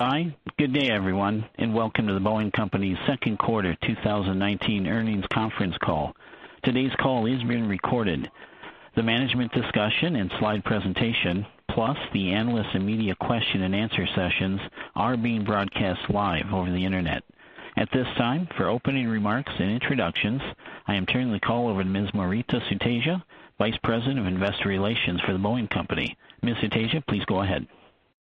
Hi, good day, everyone, and welcome to The Boeing Company's Second Quarter 2019 Earnings Conference Call. Today's call is being recorded. The management discussion and slide presentation, plus the analyst and media question and answer sessions are being broadcast live over the internet. At this time, for opening remarks and introductions, I am turning the call over to Ms. Maurita Sutedja, Vice President of Investor Relations for The Boeing Company. Ms. Sutedja, please go ahead.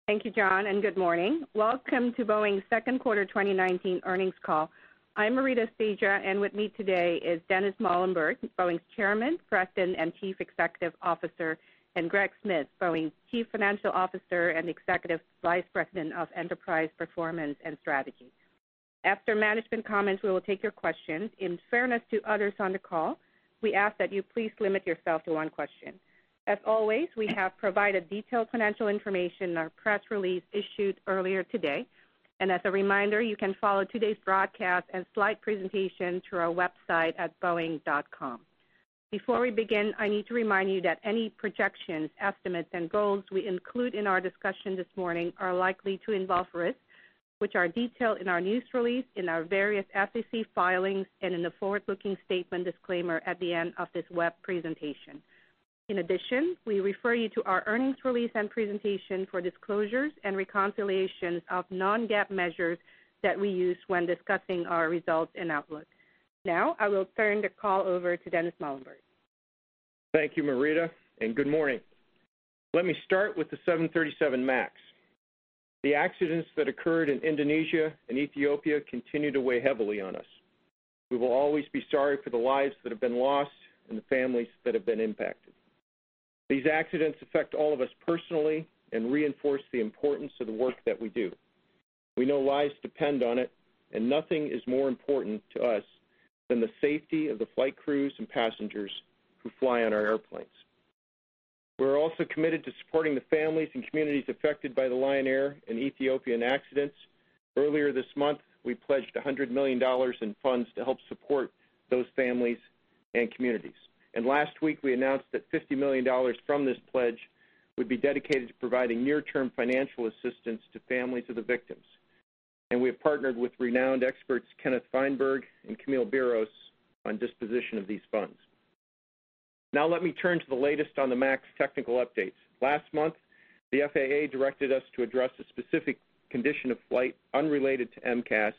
Thank you, John, and good morning. Welcome to Boeing's second quarter 2019 earnings call. I'm Maurita Sutedja, and with me today is Dennis Muilenburg, Boeing's Chairman, President, and Chief Executive Officer, and Greg Smith, Boeing's Chief Financial Officer and Executive Vice President of Enterprise Performance and Strategy. After management comments, we will take your questions. In fairness to others on the call, we ask that you please limit yourself to one question. As always, we have provided detailed financial information in our press release issued earlier today. As a reminder, you can follow today's broadcast and slide presentation through our website at boeing.com. Before we begin, I need to remind you that any projections, estimates, and goals we include in our discussion this morning are likely to involve risks, which are detailed in our news release, in our various SEC filings, and in the forward-looking statement disclaimer at the end of this web presentation. In addition, we refer you to our earnings release and presentation for disclosures, and reconciliations of non-GAAP measures that we use when discussing our results and outlook. Now, I will turn the call over to Dennis Muilenburg. Thank you, Maurita, good morning. Let me start with the 737 MAX. The accidents that occurred in Indonesia and Ethiopia continue to weigh heavily on us. We will always be sorry for the lives that have been lost, and the families that have been impacted. These accidents affect all of us personally, and reinforce the importance of the work that we do. We know lives depend on it, and nothing is more important to us than the safety of the flight crews and passengers who fly on our airplanes. We're also committed to supporting the families and communities affected by the Lion Air and Ethiopian accidents. Earlier this month, we pledged $100 million in funds to help support those families and communities. Last week, we announced that $50 million from this pledge would be dedicated to providing near-term financial assistance to families of the victims. We have partnered with renowned experts, Kenneth Feinberg and Camille Biros on disposition of these funds. Now, let me turn to the latest on the MAX technical updates. Last month, the FAA directed us to address a specific condition of flight unrelated to MCAS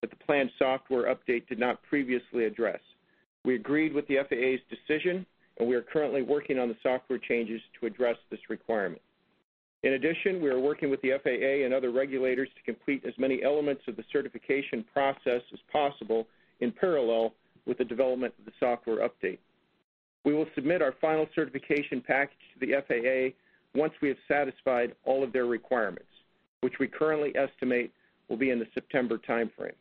that the planned software update did not previously address. We agreed with the FAA's decision, and we are currently working on the software changes to address this requirement. In addition, we are working with the FAA and other regulators to complete as many elements of the certification process as possible in parallel with the development of the software update. We will submit our final certification package to the FAA once we have satisfied all of their requirements, which we currently estimate will be in the September timeframe.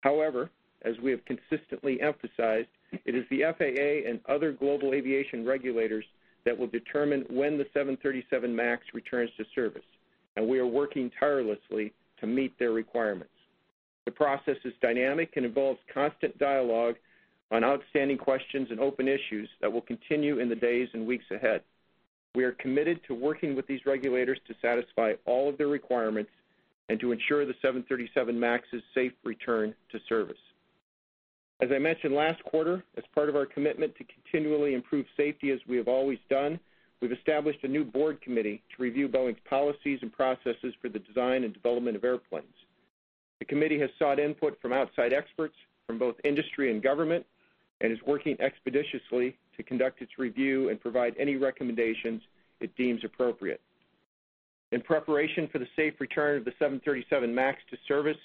However, as we have consistently emphasized, it is the FAA and other global aviation regulators that will determine when the 737 MAX returns to service, and we are working tirelessly to meet their requirements. The process is dynamic, and involves constant dialogue on outstanding questions and open issues that will continue in the days and weeks ahead. We are committed to working with these regulators to satisfy all of their requirements, and to ensure the 737 MAX's safe return to service. As I mentioned last quarter, as part of our commitment to continually improve safety as we have always done, we've established a new Board committee to review Boeing's policies and processes for the design, and development of airplanes. The committee has sought input from outside experts from both industry and government, and is working expeditiously to conduct its review, and provide any recommendations it deems appropriate. In preparation for the safe return of the 737 MAX to service,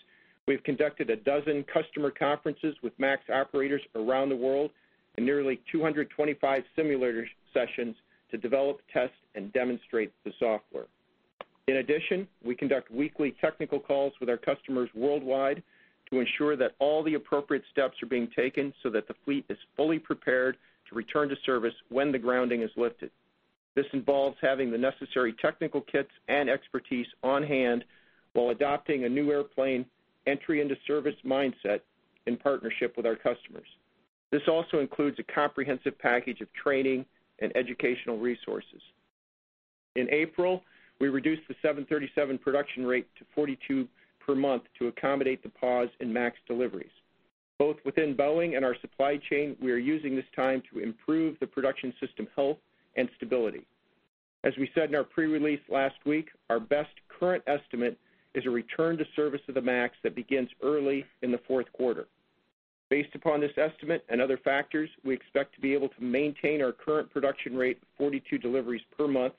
we've conducted a dozen customer conferences with MAX operators around the world, and 225 simulator sessions to develop, test, and demonstrate the software. In addition, we conduct weekly technical calls with our customers worldwide to ensure that all the appropriate steps are being taken so that the fleet is fully prepared to return to service when the grounding is lifted. This involves having the necessary technical kits and expertise on hand while adopting a new airplane entry into service mindset in partnership with our customers. This also includes a comprehensive package of training, and educational resources. In April, we reduced the 737 production rate to 42 per month to accommodate the pause in MAX deliveries. Both within Boeing, and our supply chain, we are using this time to improve the production system health and stability. As we said in our pre-release last week, our best current estimate is a return to service of the MAX that begins early in the fourth quarter. Based upon this estimate and other factors, we expect to be able to maintain our current production rate of 42 deliveries per month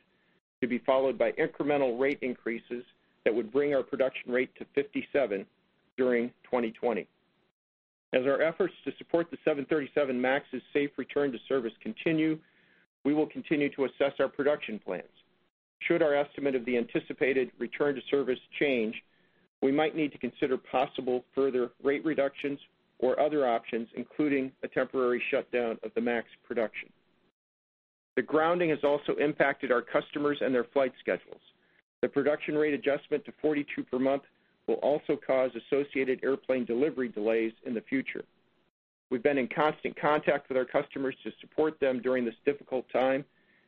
to be followed by incremental rate increases that would bring our production rate to 57 during 2020. As our efforts to support the 737 MAX's safe return to service continue, we will continue to assess our production plans. Should our estimate of the anticipated return to service change, we might need to consider possible further rate reductions, or other options, including a temporary shutdown of the MAX production. The grounding has also impacted our customers, and their flight schedules. The production rate adjustment to 42 per month will also cause associated airplane delivery delays in the future. We've been in constant contact with our customers to support them during this difficult time,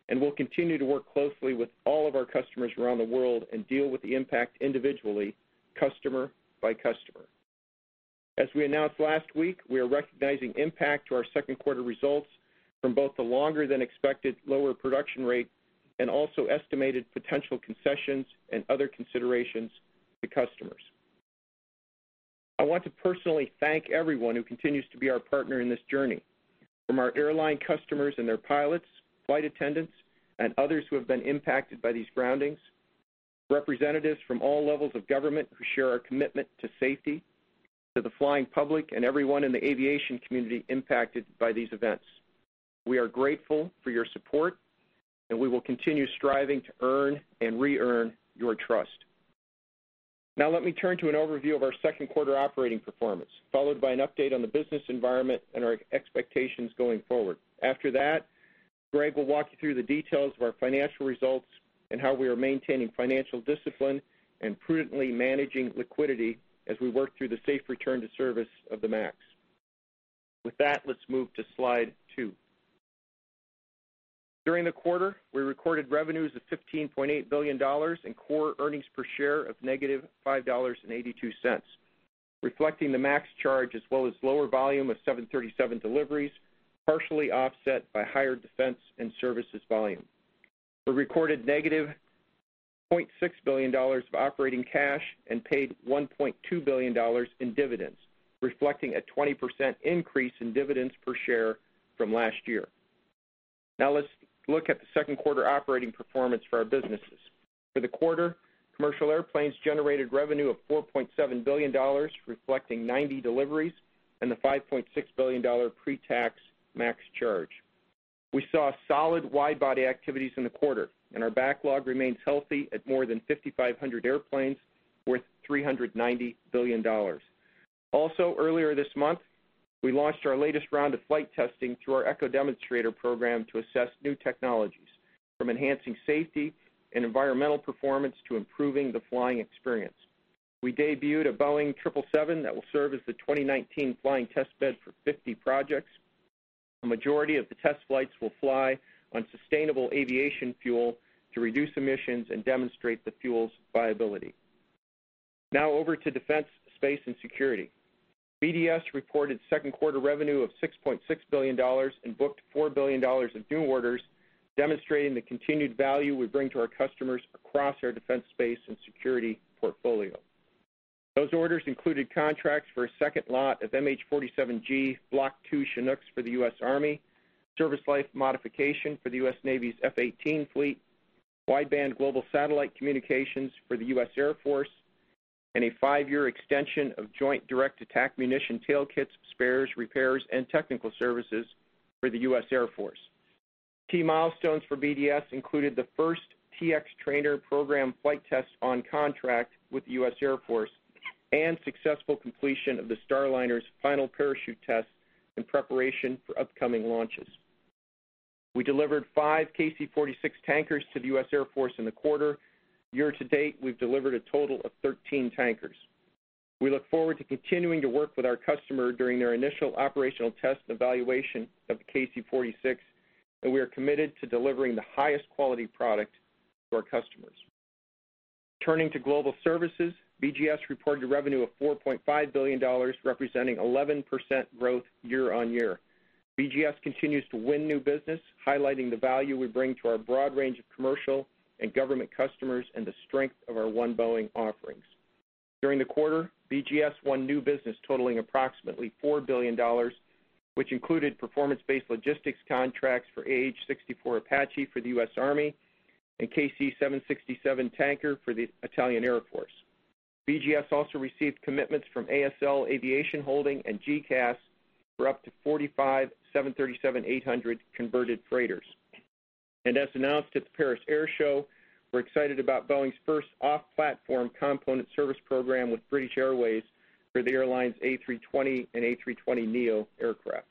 and we'll continue to work closely with all of our customers around the world, and deal with the impact individually, customer by customer. As we announced last week, we are recognizing impact to our second quarter results from both the longer than expected lower production rate, and also estimated potential concessions, and other considerations to customers. I want to personally thank everyone who continues to be our partner in this journey, from our airline customers and their pilots, flight attendants, and others who have been impacted by these groundings, representatives from all levels of government who share our commitment to safety, to the flying public, and everyone in the aviation community impacted by these events. We are grateful for your support, and we will continue striving to earn and re-earn your trust. Now, let me turn to an overview of our second quarter operating performance, followed by an update on the business environment, and our expectations going forward. After that, Greg will walk you through the details of our financial results, and how we are maintaining financial discipline, and prudently managing liquidity as we work through the safe return to service of the MAX. With that, let's move to slide two. During the quarter, we recorded revenues of $15.8 billion in core earnings per share of -$5.82, reflecting the MAX charge as well as lower volume of 737 deliveries, partially offset by higher defense and services volume. We recorded -$0.6 billion of operating cash, and paid $1.2 billion in dividends, reflecting a 20% increase in dividends per share from last year. Now, let's look at the second quarter operating performance for our businesses. For the quarter, Commercial Airplanes generated revenue of $4.7 billion, reflecting 90 deliveries, and the $5.6 billion pre-tax MAX charge. We saw solid wide-body activities in the quarter, and our backlog remains healthy at more than 5,500 airplanes worth $390 billion. Earlier this month, we launched our latest round of flight testing through our ecoDemonstrator program to assess new technologies, from enhancing safety, and environmental performance to improving the flying experience. We debuted a Boeing 777 that will serve as the 2019 flying test bed for 50 projects. A majority of the test flights will fly on sustainable aviation fuel to reduce emissions, and demonstrate the fuel's viability. Now, over to Defense, Space & Security. BDS reported second quarter revenue of $6.6 billion, and booked $4 billion of new orders, demonstrating the continued value we bring to our customers across our Defense Space and Security portfolio. Those orders included contracts for a second lot of MH-47G Block II Chinooks for the U.S. Army, service life modification for the U.S. Navy's F-18 fleet, wideband global satellite communications for the U.S. Air Force, and a five-year extension of Joint Direct Attack Munition tail kits, spares, repairs, and technical services for the U.S. Air Force. Key milestones for BDS included the first T-X Trainer program flight test on contract with the U.S. Air Force, and successful completion of the Starliner's final parachute test in preparation for upcoming launches. We delivered five KC-46 tankers to the U.S. Air Force in the quarter. Year to date, we've delivered a total of 13 tankers. We look forward to continuing to work with our customer during their initial operational test and evaluation of the KC-46, and we are committed to delivering the highest quality product to our customers. Turning to Global Services, BGS reported revenue of $4.5 billion, representing 11% growth year on year. BGS continues to win new business, highlighting the value we bring to our broad range of commercial and government customers, and the strength of our One Boeing offerings. During the quarter, BGS won new business totaling approximately $4 billion, which included performance-based logistics contracts for AH-64 Apache for the U.S. Army, and KC-767 tanker for the Italian Air Force. BGS also received commitments from ASL Aviation Holdings and GECAS for up to 45 737-800 converted freighters. As announced at the Paris Air Show, we're excited about Boeing's first off-platform component service program with British Airways for the airline's A320 and A320neo aircraft.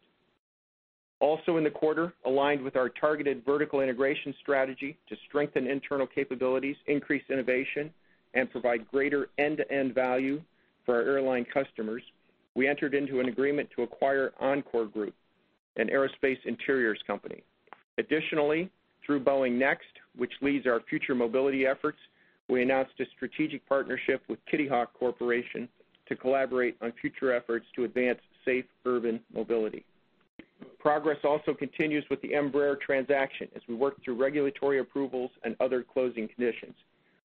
Also in the quarter, aligned with our targeted vertical integration strategy to strengthen internal capabilities, increase innovation, and provide greater end-to-end value for our airline customers, we entered into an agreement to acquire EnCore Group, an aerospace interiors company. Additionally, through Boeing NeXt, which leads our future mobility efforts, we announced a strategic partnership with Kitty Hawk Corporation to collaborate on future efforts to advance safe urban mobility. Progress also continues with the Embraer transaction as we work through regulatory approvals, and other closing conditions.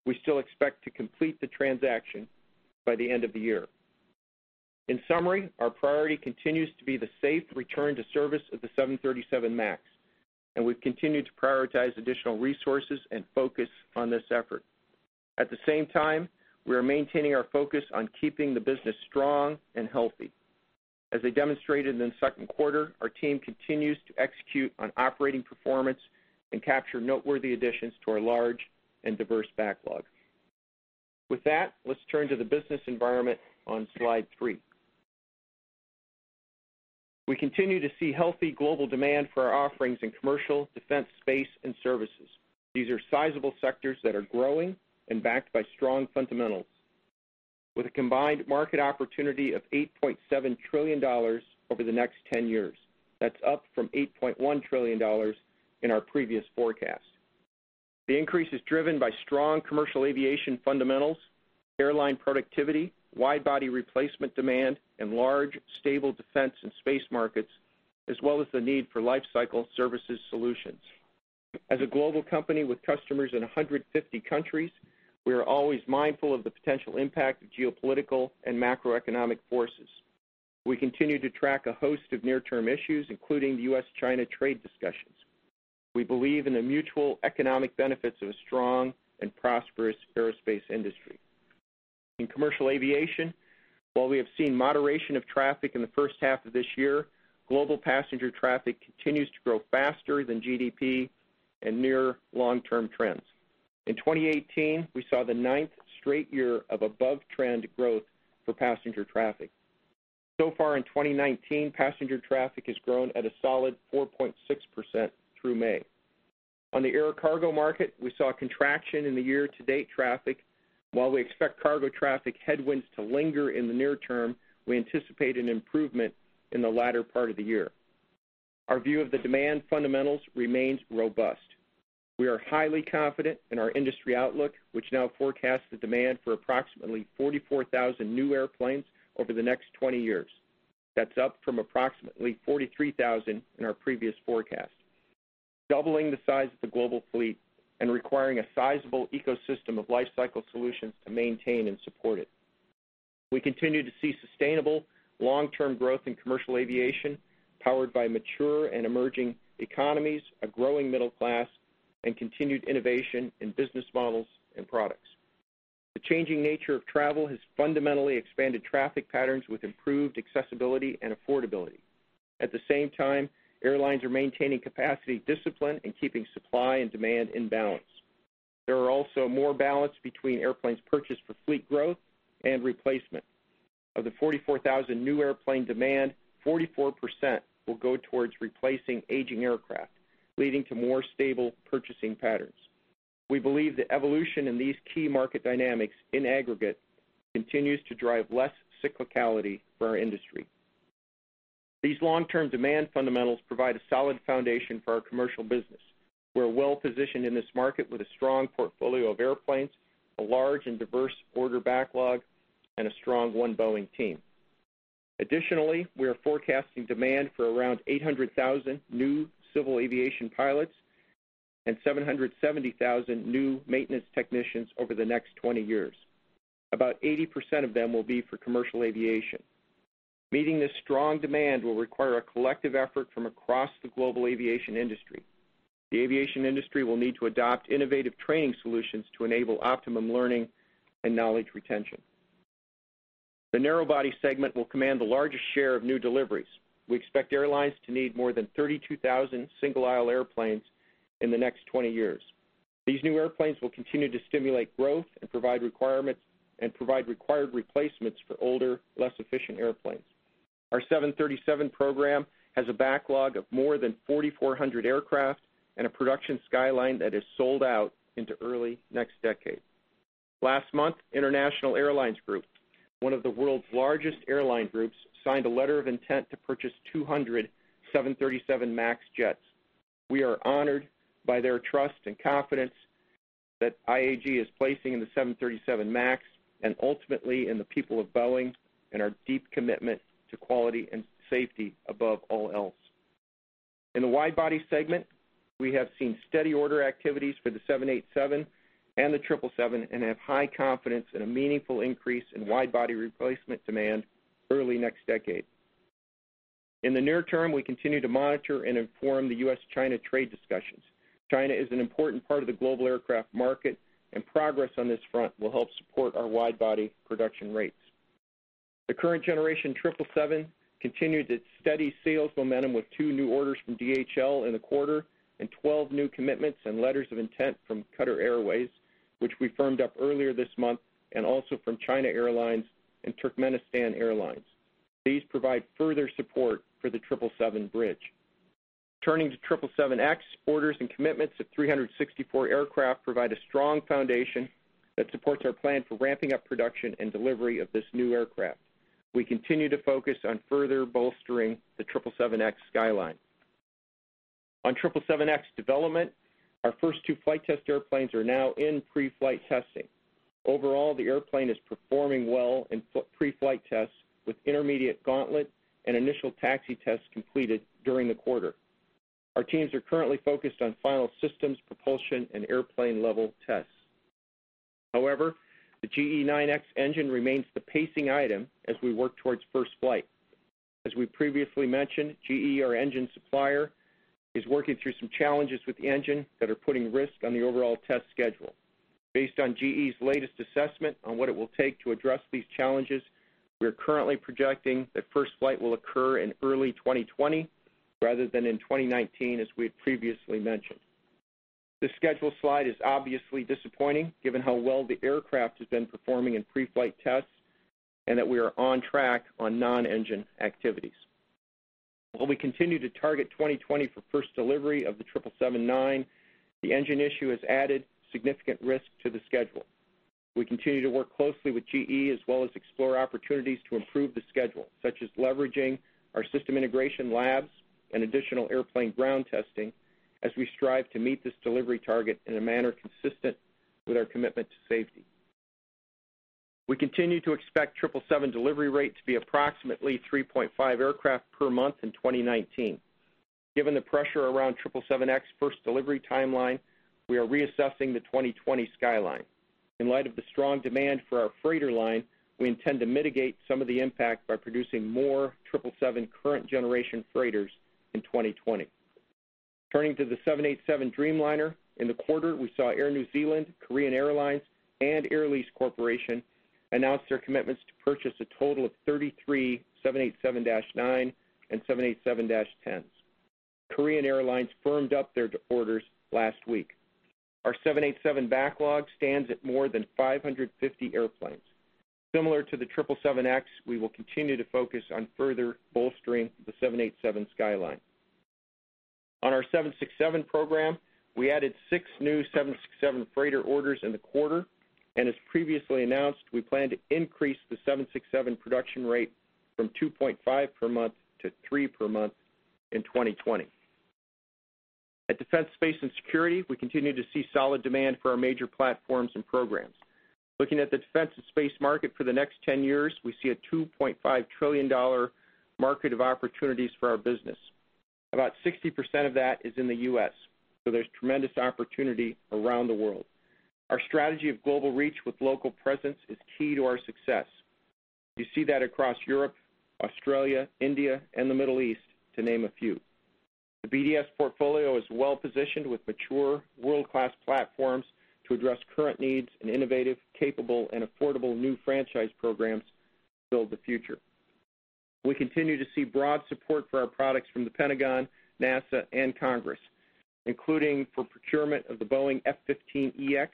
We still expect to complete the transaction by the end of the year. In summary, our priority continues to be the safe return to service of the 737 MAX, and we've continued to prioritize additional resources, and focus on this effort. At the same time, we are maintaining our focus on keeping the business strong and healthy. As I demonstrated in the second quarter, our team continues to execute on operating performance, and capture noteworthy additions to our large and diverse backlog. With that, let's turn to the business environment on slide three. We continue to see healthy global demand for our offerings in Commercial, Defense, Space, and Services. These are sizable sectors that are growing, and backed by strong fundamentals. With a combined market opportunity of $8.7 trillion over the next 10 years. That's up from $8.1 trillion in our previous forecast. The increase is driven by strong commercial aviation fundamentals, airline productivity, wide-body replacement demand, and large, stable defense and space markets, as well as the need for lifecycle services solutions. As a global company with customers in 150 countries, we are always mindful of the potential impact of geopolitical and macroeconomic forces. We continue to track a host of near-term issues, including U.S.-China trade discussions. We believe in the mutual economic benefits of a strong and prosperous aerospace industry. In commercial aviation, while we have seen moderation of traffic in the first half of this year, global passenger traffic continues to grow faster than GDP, and near long-term trends. In 2018, we saw the ninth straight year of above-trend growth for passenger traffic. So far in 2019, passenger traffic has grown at a solid 4.6% through May. On the air cargo market, we saw a contraction in the year-to-date traffic. While we expect cargo traffic headwinds to linger in the near term, we anticipate an improvement in the latter part of the year. Our view of the demand fundamentals remains robust. We are highly confident in our industry outlook, which now forecasts the demand for approximately 44,000 new airplanes over the next 20 years. That's up from approximately 43,000 in our previous forecast, doubling the size of the global fleet, and requiring a sizable ecosystem of lifecycle solutions to maintain and support it. We continue to see sustainable long-term growth in commercial aviation, powered by mature and emerging economies, a growing middle class, and continued innovation in business models and products. The changing nature of travel has fundamentally expanded traffic patterns with improved accessibility and affordability. At the same time, airlines are maintaining capacity discipline, and keeping supply and demand in balance. There are also more balance between airplanes purchased for fleet growth and replacement. Of the 44,000 new airplane demand, 44% will go towards replacing aging aircraft, leading to more stable purchasing patterns. We believe the evolution in these key market dynamics in aggregate continues to drive less cyclicality for our industry. These long-term demand fundamentals provide a solid foundation for our commercial business. We're well-positioned in this market with a strong portfolio of airplanes, a large and diverse order backlog, and a strong One Boeing team. Additionally, we are forecasting demand for around 800,000 new civil aviation pilots, and 770,000 new maintenance technicians over the next 20 years. About 80% of them will be for commercial aviation. Meeting this strong demand will require a collective effort from across the global aviation industry. The aviation industry will need to adopt innovative training solutions to enable optimum learning, and knowledge retention. The narrow-body segment will command the largest share of new deliveries. We expect airlines to need more than 32,000 single-aisle airplanes in the next 20 years. These new airplanes will continue to stimulate growth, and provide requirement, and provide required replacements for older, less efficient airplanes. Our 737 program has a backlog of more than 4,400 aircraft, and a production skyline that is sold out into early next decade. Last month, International Airlines Group, one of the world's largest airline groups, signed a letter of intent to purchase 200 737 MAX jets. We are honored by their trust and confidence that IAG is placing in the 737 MAX, and ultimately in the people of Boeing, and our deep commitment to quality and safety above all else. In the wide-body segment, we have seen steady order activities for the 787 and the 777, and have high confidence in a meaningful increase in wide-body replacement demand early next decade. In the near term, we continue to monitor and inform the U.S.-China trade discussions. China is an important part of the global aircraft market, and progress on this front will help support our wide-body production rates. The current generation 777 continued its steady sales momentum with two new orders from DHL in the quarter, and 12 new commitments and letters of intent from Qatar Airways, which we firmed up earlier this month, and also from China Airlines and Turkmenistan Airlines. These provide further support for the 777 bridge. Turning to 777X, orders and commitments of 364 aircraft provide a strong foundation that supports our plan for ramping up production and delivery of this new aircraft. We continue to focus on further bolstering the 777X pipeline. On 777X development, our first two flight test airplanes are now in pre-flight testing. Overall, the airplane is performing well in pre-flight tests with intermediate gauntlet, and initial taxi tests completed during the quarter. Our teams are currently focused on final systems, propulsion, and airplane level tests. However, the GE9X engine remains the pacing item as we work towards first flight. As we previously mentioned, GE, our engine supplier, is working through some challenges with the engine that are putting risk on the overall test schedule. Based on GE's latest assessment on what it will take to address these challenges, we are currently projecting that first flight will occur in early 2020 rather than in 2019, as we had previously mentioned. This schedule slide is obviously disappointing given how well the aircraft has been performing in pre-flight tests, and that we are on track on non-engine activities. While we continue to target 2020 for first delivery of the 777-9, the engine issue has added significant risk to the schedule. We continue to work closely with GE as well as explore opportunities to improve the schedule, such as leveraging our system integration labs, and additional airplane ground testing as we strive to meet this delivery target in a manner consistent with our commitment to safety. We continue to expect 777 delivery rate to be approximately 3.5 aircraft per month in 2019. Given the pressure around 777X first delivery timeline, we are reassessing the 2020 skyline. In light of the strong demand for our freighter line, we intend to mitigate some of the impact by producing more 777 current generation freighters in 2020. Turning to the 787 Dreamliner. In the quarter, we saw Air New Zealand, Korean Airlines, and Air Lease Corporation announce their commitments to purchase a total of 33 787-9 and 787-10s. Korean Airlines firmed up their orders last week. Our 787 backlog stands at more than 550 airplanes. Similar to the 777X, we will continue to focus on further bolstering the 787 skyline. On our 767 program, we added six new 767 Freighter orders in the quarter. As previously announced, we plan to increase the 767 production rate from 2.5 per month to three per month in 2020. At Defense, Space and Security, we continue to see solid demand for our major platforms and programs. Looking at the defense and space market for the next 10 years, we see a $2.5 trillion market of opportunities for our business. About 60% of that is in the U.S., so there's tremendous opportunity around the world. Our strategy of global reach with local presence is key to our success. You see that across Europe, Australia, India, and the Middle East, to name a few. The BDS portfolio is well-positioned with mature world-class platforms to address current needs and innovative, capable, and affordable new franchise programs to build the future. We continue to see broad support for our products from the Pentagon, NASA, and Congress, including for procurement of the Boeing F-15EX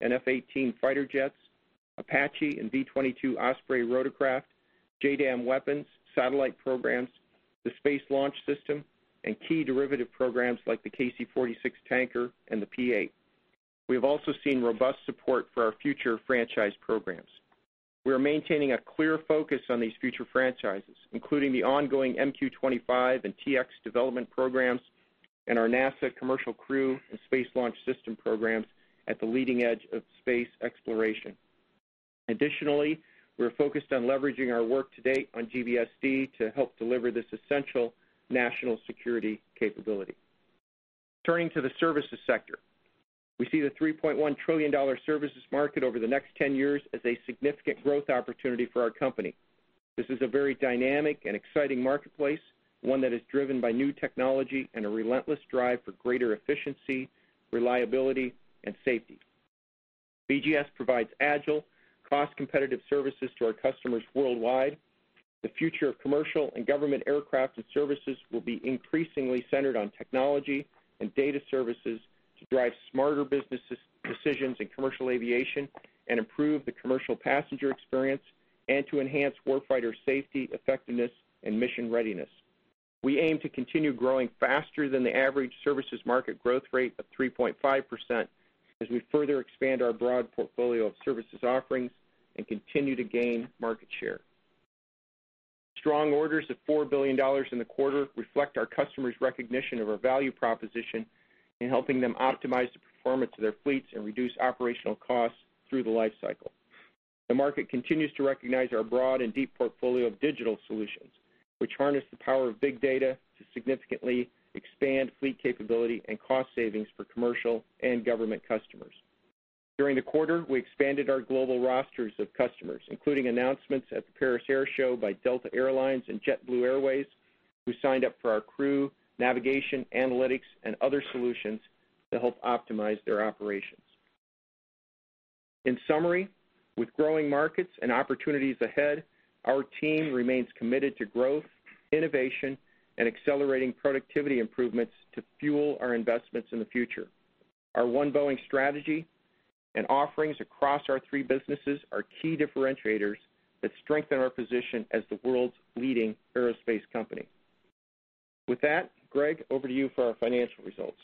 and F/A-18 fighter jets, Apache, and V-22 Osprey rotorcraft, JDAM weapons, satellite programs, the Space Launch System, and key derivative programs like the KC-46 tanker and the P-8. We have also seen robust support for our future franchise programs. We are maintaining a clear focus on these future franchises, including the ongoing MQ-25 and T-X development programs, and our NASA Commercial Crew and Space Launch System programs at the leading edge of space exploration. Additionally, we're focused on leveraging our work to date on GBSD to help deliver this essential national security capability. Turning to the services sector. We see the $3.1 trillion services market over the next 10 years as a significant growth opportunity for our company. This is a very dynamic and exciting marketplace, one that is driven by new technology, and a relentless drive for greater efficiency, reliability, and safety. BGS provides agile, cost-competitive services to our customers worldwide. The future of commercial and government aircraft and services will be increasingly centered on technology and data services to drive smarter business decisions in commercial aviation, and improve the commercial passenger experience, and to enhance war fighter safety, effectiveness, and mission readiness. We aim to continue growing faster than the average services market growth rate of 3.5% as we further expand our broad portfolio of services offerings, and continue to gain market share. Strong orders of $4 billion in the quarter reflect our customers' recognition of our value proposition in helping them optimize the performance of their fleets, and reduce operational costs through the life cycle. The market continues to recognize our broad and deep portfolio of digital solutions, which harness the power of big data to significantly expand fleet capability, and cost savings for commercial and government customers. During the quarter, we expanded our global rosters of customers, including announcements at the Paris Air Show by Delta Air Lines and JetBlue Airways, who signed up for our crew, navigation, analytics, and other solutions to help optimize their operations. In summary, with growing markets, and opportunities ahead, our team remains committed to growth, innovation, and accelerating productivity improvements to fuel our investments in the future. Our One Boeing strategy, and offerings across our three businesses are key differentiators that strengthen our position as the world's leading aerospace company. With that, Greg, over to you for our financial results.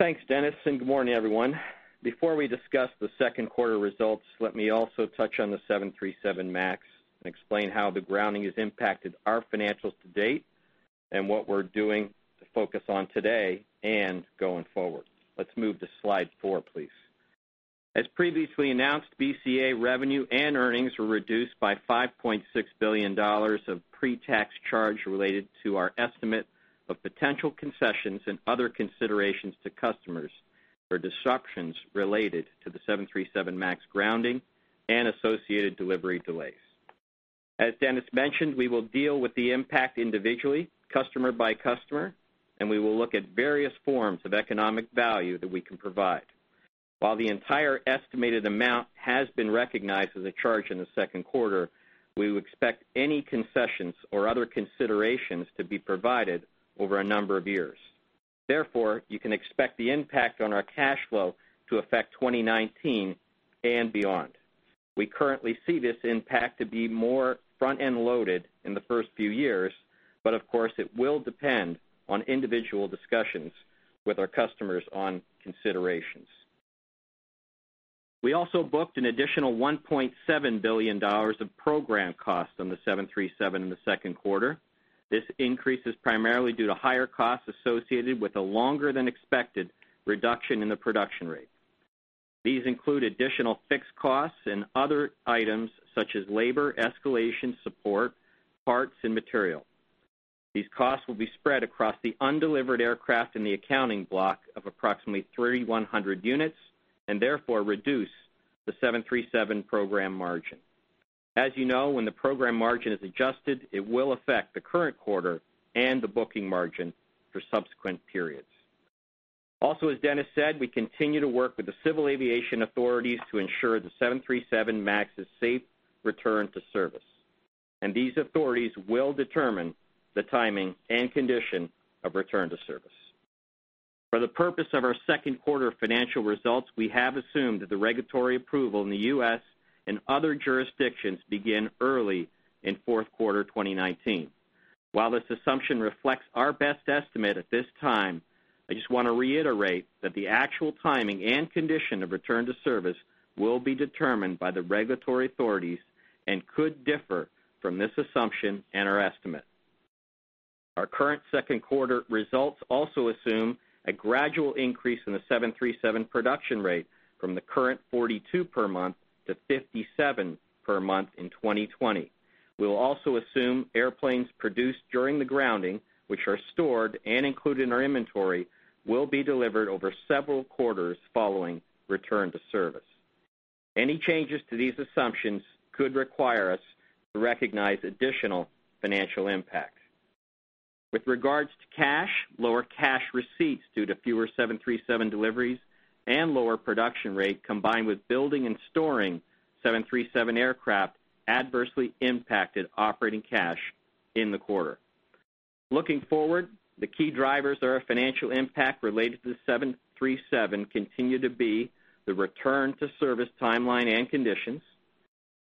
Thanks, Dennis. Good morning, everyone. Before we discuss the second quarter results, let me also touch on the 737 MAX, and explain how the grounding has impacted our financials to date, and what we're doing to focus on today, and going forward. Let's move to slide four, please. As previously announced, BCA revenue and earnings were reduced by $5.6 billion of pre-tax charge related to our estimate of potential concessions, and other considerations to customers for disruptions related to the 737 MAX grounding, and associated delivery delays. As Dennis mentioned, we will deal with the impact individually, customer by customer. We will look at various forms of economic value that we can provide. While the entire estimated amount has been recognized as a charge in the second quarter, we would expect any concessions, or other considerations to be provided over a number of years. Therefore, you can expect the impact on our cash flow to affect 2019 and beyond. We currently see this impact to be more front-end loaded in the first few years, but of course, it will depend on individual discussions with our customers on considerations. We also booked an additional $1.7 billion of program costs on the 737 in the second quarter. This increase is primarily due to higher costs associated with a longer than expected reduction in the production rate. These include additional fixed costs, and other items such as labor, escalation support, parts, and material. These costs will be spread across the undelivered aircraft in the accounting block of approximately 3,100 units, and therefore reduce the 737 program margin. As you know, when the program margin is adjusted, it will affect the current quarter, and the booking margin for subsequent periods. Also, as Dennis said, we continue to work with the civil aviation authorities to ensure the 737 MAX's safe return to service. These authorities will determine the timing and condition of return to service. For the purpose of our second quarter financial results, we have assumed that the regulatory approval in the U.S. and other jurisdictions begin early in fourth quarter 2019. While this assumption reflects our best estimate at this time, I just want to reiterate that the actual timing and condition of return to service will be determined by the regulatory authorities, and could differ from this assumption and our estimate. Our current second quarter results also assume a gradual increase in the 737 production rate from the current 42 per month to 57 per month in 2020. We'll also assume airplanes produced during the grounding, which are stored, and included in our inventory, will be delivered over several quarters following return to service. Any changes to these assumptions could require us to recognize additional financial impacts. With regards to cash, lower cash receipts due to fewer 737 deliveries, and lower production rate, combined with building and storing 737 aircraft, adversely impacted operating cash in the quarter. Looking forward, the key drivers of our financial impact related to the 737 continue to be the return to service timeline and conditions,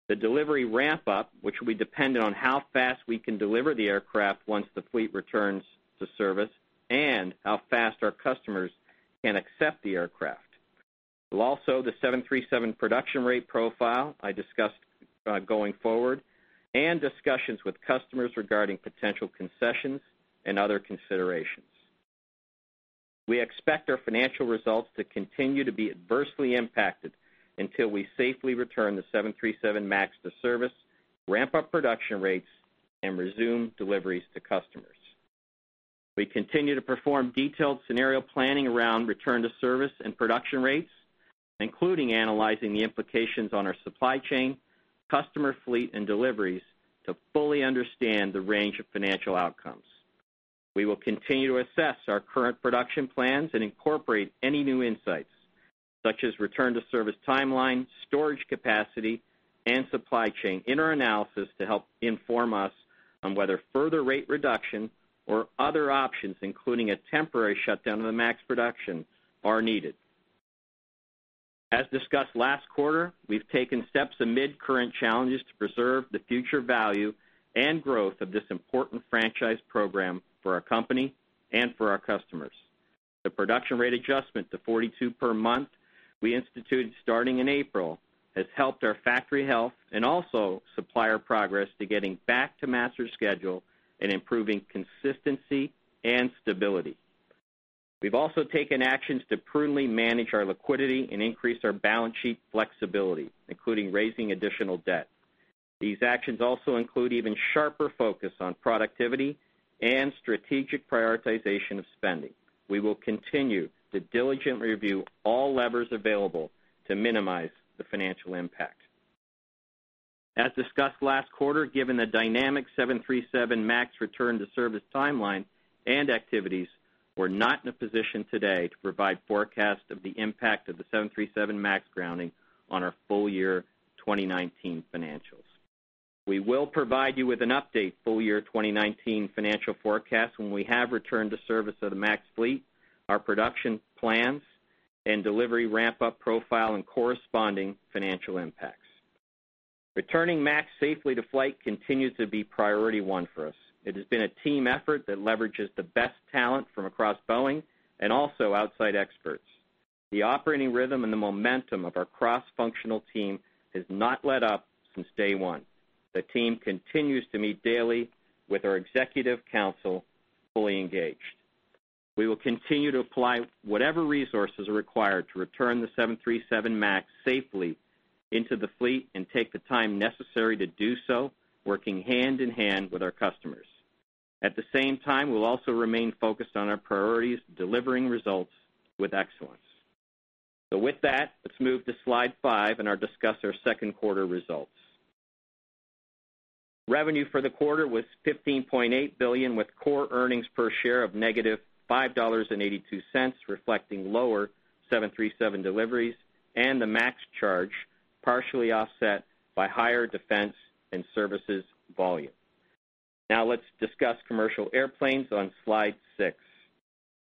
the delivery ramp-up, which will be dependent on how fast we can deliver the aircraft once the fleet returns to service, and how fast our customers can accept the aircraft. Also, the 737 production rate profile I discussed going forward, and discussions with customers regarding potential concessions, and other considerations. We expect our financial results to continue to be adversely impacted until we safely return the 737 MAX to service, ramp up production rates, and resume deliveries to customers. We continue to perform detailed scenario planning around return to service and production rates, including analyzing the implications on our supply chain, customer fleet, and deliveries to fully understand the range of financial outcomes. We will continue to assess our current production plans, and incorporate any new insights, such as return to service timeline, storage capacity, and supply chain in our analysis to help inform us on whether further rate reduction, or other options, including a temporary shutdown of the MAX production, are needed. As discussed last quarter, we've taken steps amid current challenges to preserve the future value, and growth of this important franchise program for our company and for our customers. The production rate adjustment to 42 per month we instituted starting in April, has helped our factory health, and also supplier progress to getting back to master schedule, and improving consistency, and stability. We've also taken actions to prudently manage our liquidity, and increase our balance sheet flexibility, including raising additional debt. These actions also include even sharper focus on productivity, and strategic prioritization of spending. We will continue to diligently review all levers available to minimize the financial impact. As discussed last quarter, given the dynamic 737 MAX return to service timeline and activities, we're not in a position today to provide forecast of the impact of the 737 MAX grounding on our full year 2019 financials. We will provide you with an update full year 2019 financial forecast when we have return to service of the MAX fleet, our production plans, and delivery ramp-up profile, and corresponding financial impacts. Returning MAX safely to flight continues to be priority one for us. It has been a team effort that leverages the best talent from across Boeing, and also outside experts. The operating rhythm and the momentum of our cross-functional team has not let up since day one. The team continues to meet daily with our executive council, fully engaged. We will continue to apply whatever resources are required to return the 737 MAX safely into the fleet, and take the time necessary to do so, working hand in hand with our customers. At the same time, we'll also remain focused on our priorities, delivering results with excellence. With that, let's move to slide five, and I'll discuss our second quarter results. Revenue for the quarter was $15.8 billion with core earnings per share of -$5.82, reflecting lower 737 deliveries, and the MAX charge, partially offset by higher defense and services volume. Now, let's discuss Commercial Airplanes on slide six.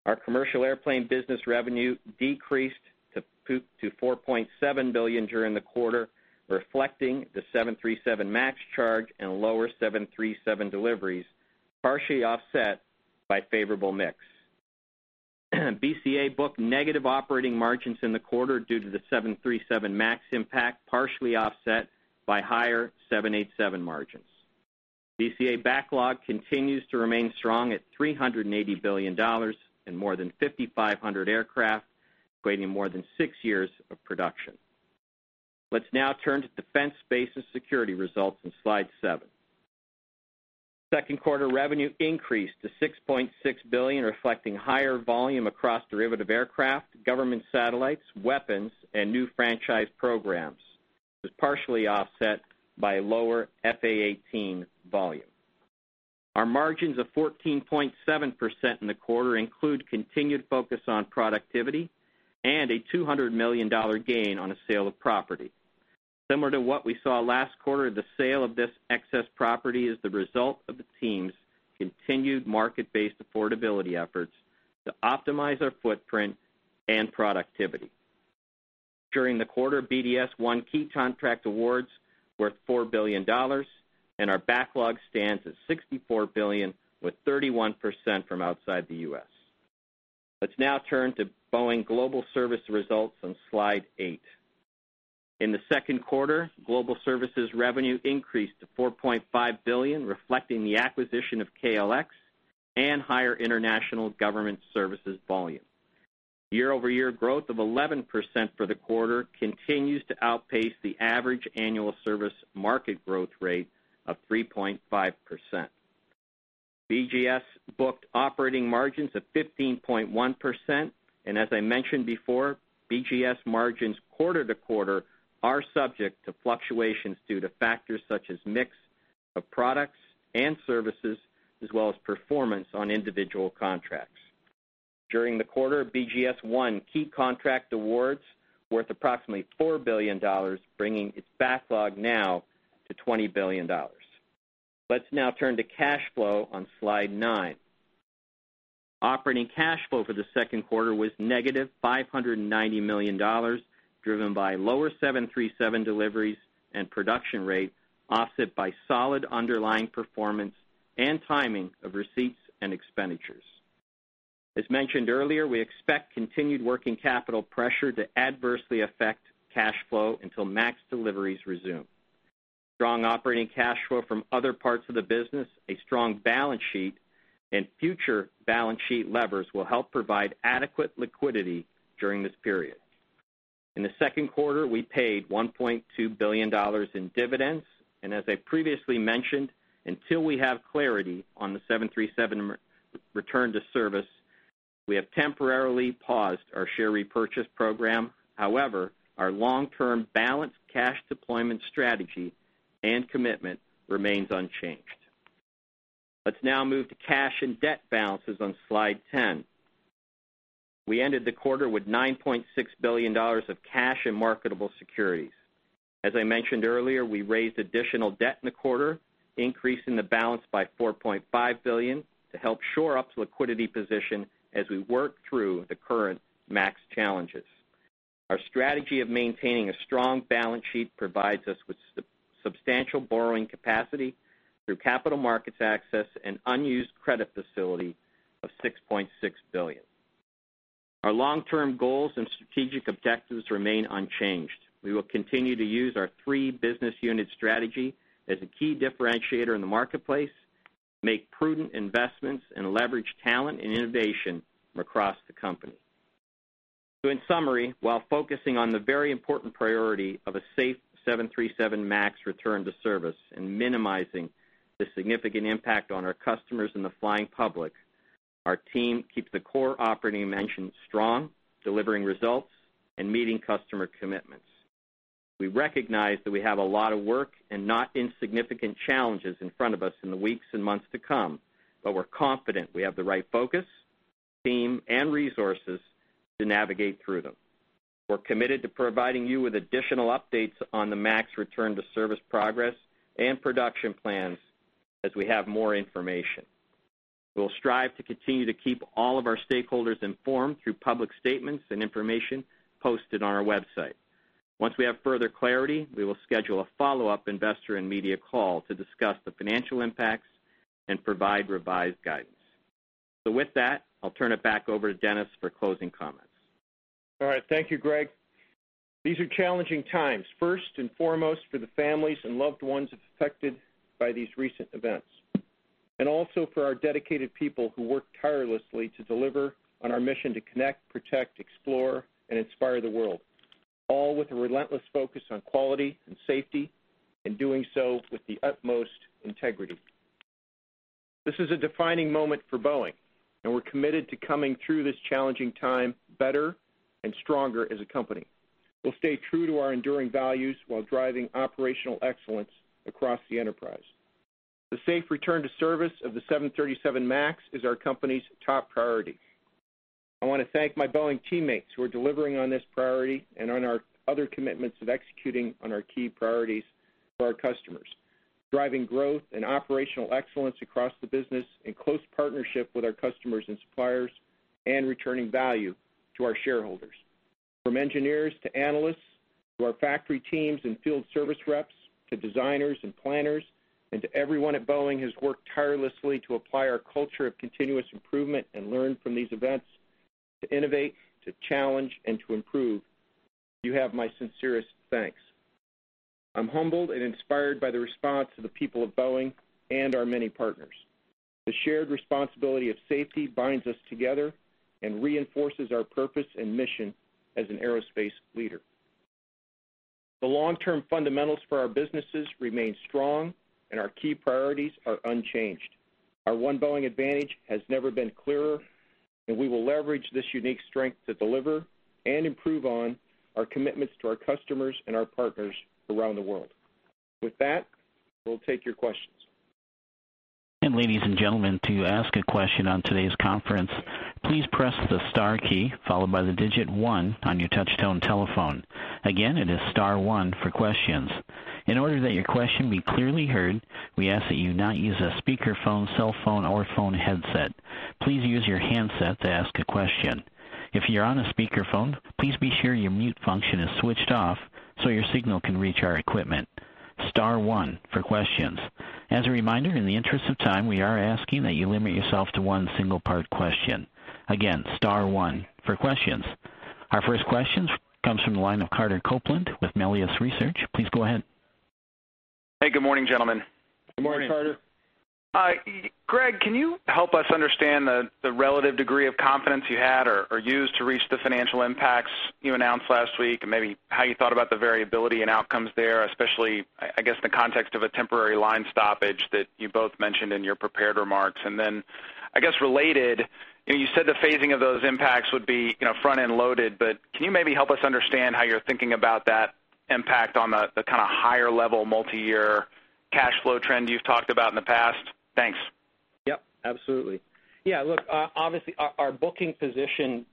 Our Commercial Airplane business revenue decreased to $4.7 billion during the quarter, reflecting the 737 MAX charge, and lower 737 deliveries, partially offset by favorable mix. BCA booked negative operating margins in the quarter due to the 737 MAX impact, partially offset by higher 787 margins. BCA backlog continues to remain strong at $380 billion, and more than 5,500 aircraft, equating more than six years of production. Let's now turn to Defense, Space, and Security results on slide seven. Second quarter revenue increased to $6.6 billion, reflecting higher volume across derivative aircraft, government satellites, weapons, and new franchise programs. It was partially offset by lower F/A-18 volume. Our margins of 14.7% in the quarter include continued focus on productivity, and a $200 million gain on a sale of property. Similar to what we saw last quarter, the sale of this excess property is the result of the team's continued market-based affordability efforts to optimize our footprint and productivity. During the quarter, BDS won key contract awards worth $4 billion, and our backlog stands at $64 billion, with 31% from outside the U.S. Let's now turn to Boeing Global Services results on slide eight. In the second quarter, Global Services revenue increased to $4.5 billion, reflecting the acquisition of KLX, and higher international government services volume. Year-over-year growth of 11% for the quarter continues to outpace the average annual service market growth rate of 3.5%. BGS booked operating margins of 15.1%. As I mentioned before, BGS margins quarter-to-quarter are subject to fluctuations due to factors such as mix of products and services, as well as performance on individual contracts. During the quarter, BGS won key contract awards worth approximately $4 billion, bringing its backlog now to $20 billion. Let's now turn to cash flow on slide nine. Operating cash flow for the second quarter was -$590 million, driven by lower 737 deliveries, and production rate, offset by solid underlying performance, and timing of receipts and expenditures. As mentioned earlier, we expect continued working capital pressure to adversely affect cash flow until MAX deliveries resume. Strong operating cash flow from other parts of the business, a strong balance sheet, and future balance sheet levers will help provide adequate liquidity during this period. In the second quarter, we paid $1.2 billion in dividends, and as I previously mentioned, until we have clarity on the 737 return to service, we have temporarily paused our share repurchase program. However, our long-term balanced cash deployment strategy and commitment remains unchanged. Let's now move to cash and debt balances on slide 10. We ended the quarter with $9.6 billion of cash in marketable securities. As I mentioned earlier, we raised additional debt in the quarter, increasing the balance by $4.5 billion to help shore up the liquidity position as we work through the current MAX challenges. Our strategy of maintaining a strong balance sheet provides us with substantial borrowing capacity through capital markets access, and unused credit facility of $6.6 billion. Our long-term goals and strategic objectives remain unchanged. We will continue to use our three business unit strategy as a key differentiator in the marketplace, make prudent investments, and leverage talent and innovation across the company. In summary, while focusing on the very important priority of a safe 737 MAX return to service, and minimizing the significant impact on our customers and the flying public, our team keeps the core operating engine strong, delivering results, and meeting customer commitments. We recognize that we have a lot of work, and not insignificant challenges in front of us in the weeks and months to come, but we're confident we have the right focus, team, and resources to navigate through them. We're committed to providing you with additional updates on the MAX return to service progress, and production plans as we have more information. We will strive to continue to keep all of our stakeholders informed through public statements and information posted on our website. Once we have further clarity, we will schedule a follow-up investor and media call to discuss the financial impacts, and provide revised guidance. With that, I'll turn it back over to Dennis for closing comments. All right. Thank you, Greg. These are challenging times, first and foremost for the families and loved ones affected by these recent events. Also for our dedicated people who work tirelessly to deliver on our mission to connect, protect, explore, and inspire the world, all with a relentless focus on quality and safety, and doing so with the utmost integrity. This is a defining moment for Boeing, and we're committed to coming through this challenging time better and stronger as a company. We'll stay true to our enduring values while driving operational excellence across the enterprise. The safe return to service of the 737 MAX is our company's top priority. I want to thank my Boeing teammates who are delivering on this priority and on our other commitments of executing on our key priorities for our customers, driving growth and operational excellence across the business in close partnership with our customers and suppliers, and returning value to our shareholders. From engineers to analysts to our factory teams and field service reps, to designers and planners, and to everyone at Boeing who's worked tirelessly to apply our culture of continuous improvement, and learn from these events, to innovate, to challenge, and to improve, you have my sincerest thanks. I'm humbled and inspired by the response of the people of Boeing and our many partners. The shared responsibility of safety binds us together, and reinforces our purpose and mission as an aerospace leader. The long-term fundamentals for our businesses remain strong, and our key priorities are unchanged. Our One Boeing advantage has never been clearer, and we will leverage this unique strength to deliver and improve on our commitments to our customers and our partners around the world. With that, we'll take your questions. Ladies and gentlemen, to ask a question on today's conference, please press the star key, followed by the digit one on your touch-tone telephone. Again, it is star one for questions. In order that your question be clearly heard, we ask that you not use a speakerphone, cell phone, or phone headset. Please use your handset to ask a question. If you're on a speakerphone, please be sure your mute function is switched off so your signal can reach our equipment. Star one for questions. As a reminder, in the interest of time, we are asking that you limit yourself to one single-part question. Again, star one for questions. Our first question comes from the line of Carter Copeland with Melius Research. Please go ahead. Hey, good morning, gentlemen. Good morning, Carter. Greg, can you help us understand the relative degree of confidence you had or used to reach the financial impacts you announced last week, and maybe how you thought about the variability and outcomes there, especially, I guess, the context of a temporary line stoppage that you both mentioned in your prepared remarks? I guess related, you said the phasing of those impacts would be front-end loaded, but can you maybe help us understand how you're thinking about that impact on the kind of higher-level multi-year cash flow trend you've talked about in the past? Thanks. Yep, absolutely. Yeah, look, obviously, our booking position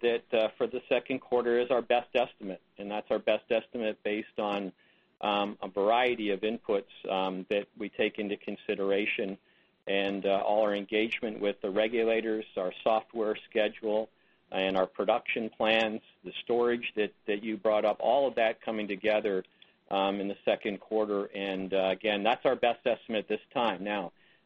for the second quarter is our best estimate, and that's our best estimate based on a variety of inputs that we take into consideration, and all our engagement with the regulators, our software schedule, and our production plans, the storage that you brought up, all of that coming together, in the second quarter. Again, that's our best estimate this time.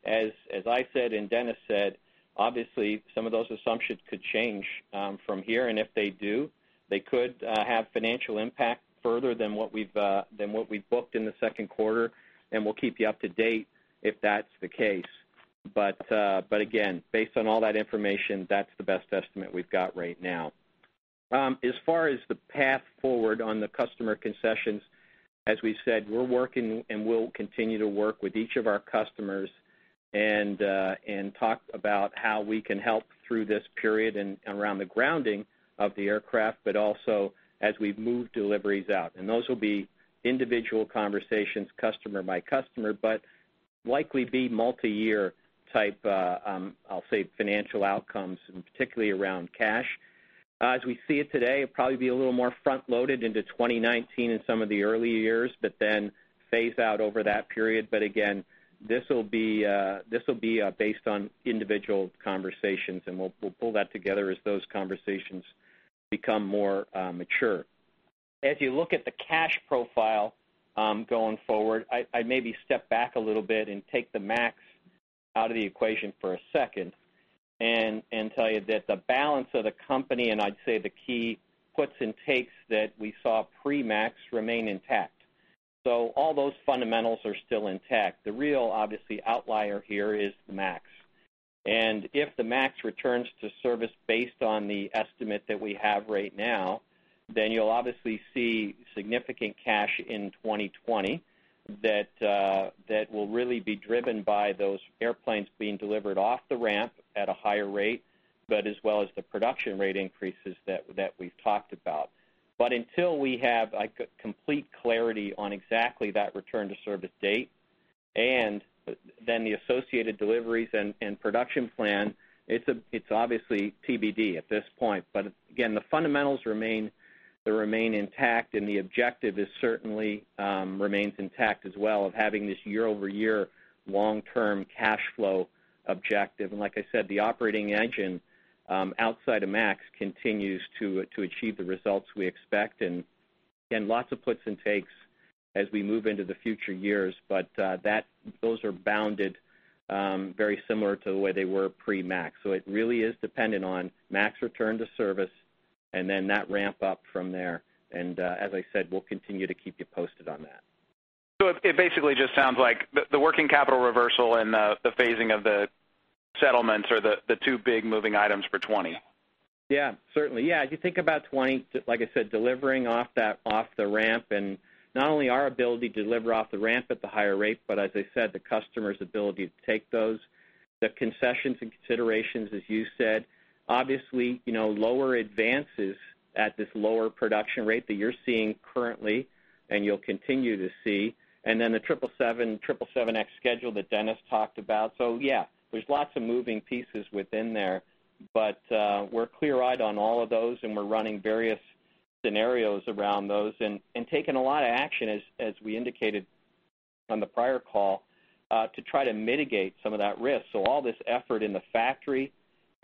Now, as I said, and Dennis said, obviously, some of those assumptions could change from here, and if they do, they could have financial impact further than what we've booked in the second quarter, and we'll keep you up to date if that's the case. Again, based on all that information, that's the best estimate we've got right now. As far as the path forward on the customer concessions, as we said, we're working, and will continue to work with each of our customers, and talk about how we can help through this period and around the grounding of the aircraft, but also as we move deliveries out. Those will be individual conversations, customer by customer, but likely be multi-year type, I'll say, financial outcomes, and particularly around cash. As we see it today, it'll probably be a little more front-loaded into 2019 and some of the early years, but then phase out over that period. Again, this will be based on individual conversations, and we'll pull that together as those conversations become more mature. As you look at the cash profile going forward, I maybe step back a little bit, and take the MAX out of the equation for a second, and tell you that the balance of the company, and I'd say the key puts and takes that we saw pre-MAX remain intact. All those fundamentals are still intact. The real, obviously, outlier here is the MAX. If the MAX returns to service based on the estimate that we have right now, then you'll obviously see significant cash in 2020 that will really be driven by those airplanes being delivered off the ramp at a higher rate, but as well as the production rate increases that we've talked about. Until we have complete clarity on exactly that return to service date, and then the associated deliveries and production plan, it's obviously TBD at this point. Again, the fundamentals remain, remain intact, and the objective certainly remains intact as well of having this year-over-year long-term cash flow objective. Like I said, the operating engine outside of MAX continues to achieve the results we expect. Lots of puts and takes as we move into the future years, but those are bounded very similar to the way they were pre-MAX. It really is dependent on MAX return to service, and then that ramp up from there. As I said, we'll continue to keep you posted on that. It basically just sounds like the working capital reversal, and the phasing of the settlements are the two big moving items for 2020? Yeah, certainly. As you think about 2020, like I said, delivering off the ramp, and not only our ability to deliver off the ramp at the higher rate, but as I said, the customer's ability to take those, the concessions and considerations, as you said. Obviously, lower advances at this lower production rate that you're seeing currently, and you'll continue to see. The 777, 777X schedule that Dennis talked about. There's lots of moving pieces within there, but we're clear-eyed on all of those, and we're running various scenarios around those, and taken a lot of action, as we indicated on the prior call, to try to mitigate some of that risk. All this effort in the factory,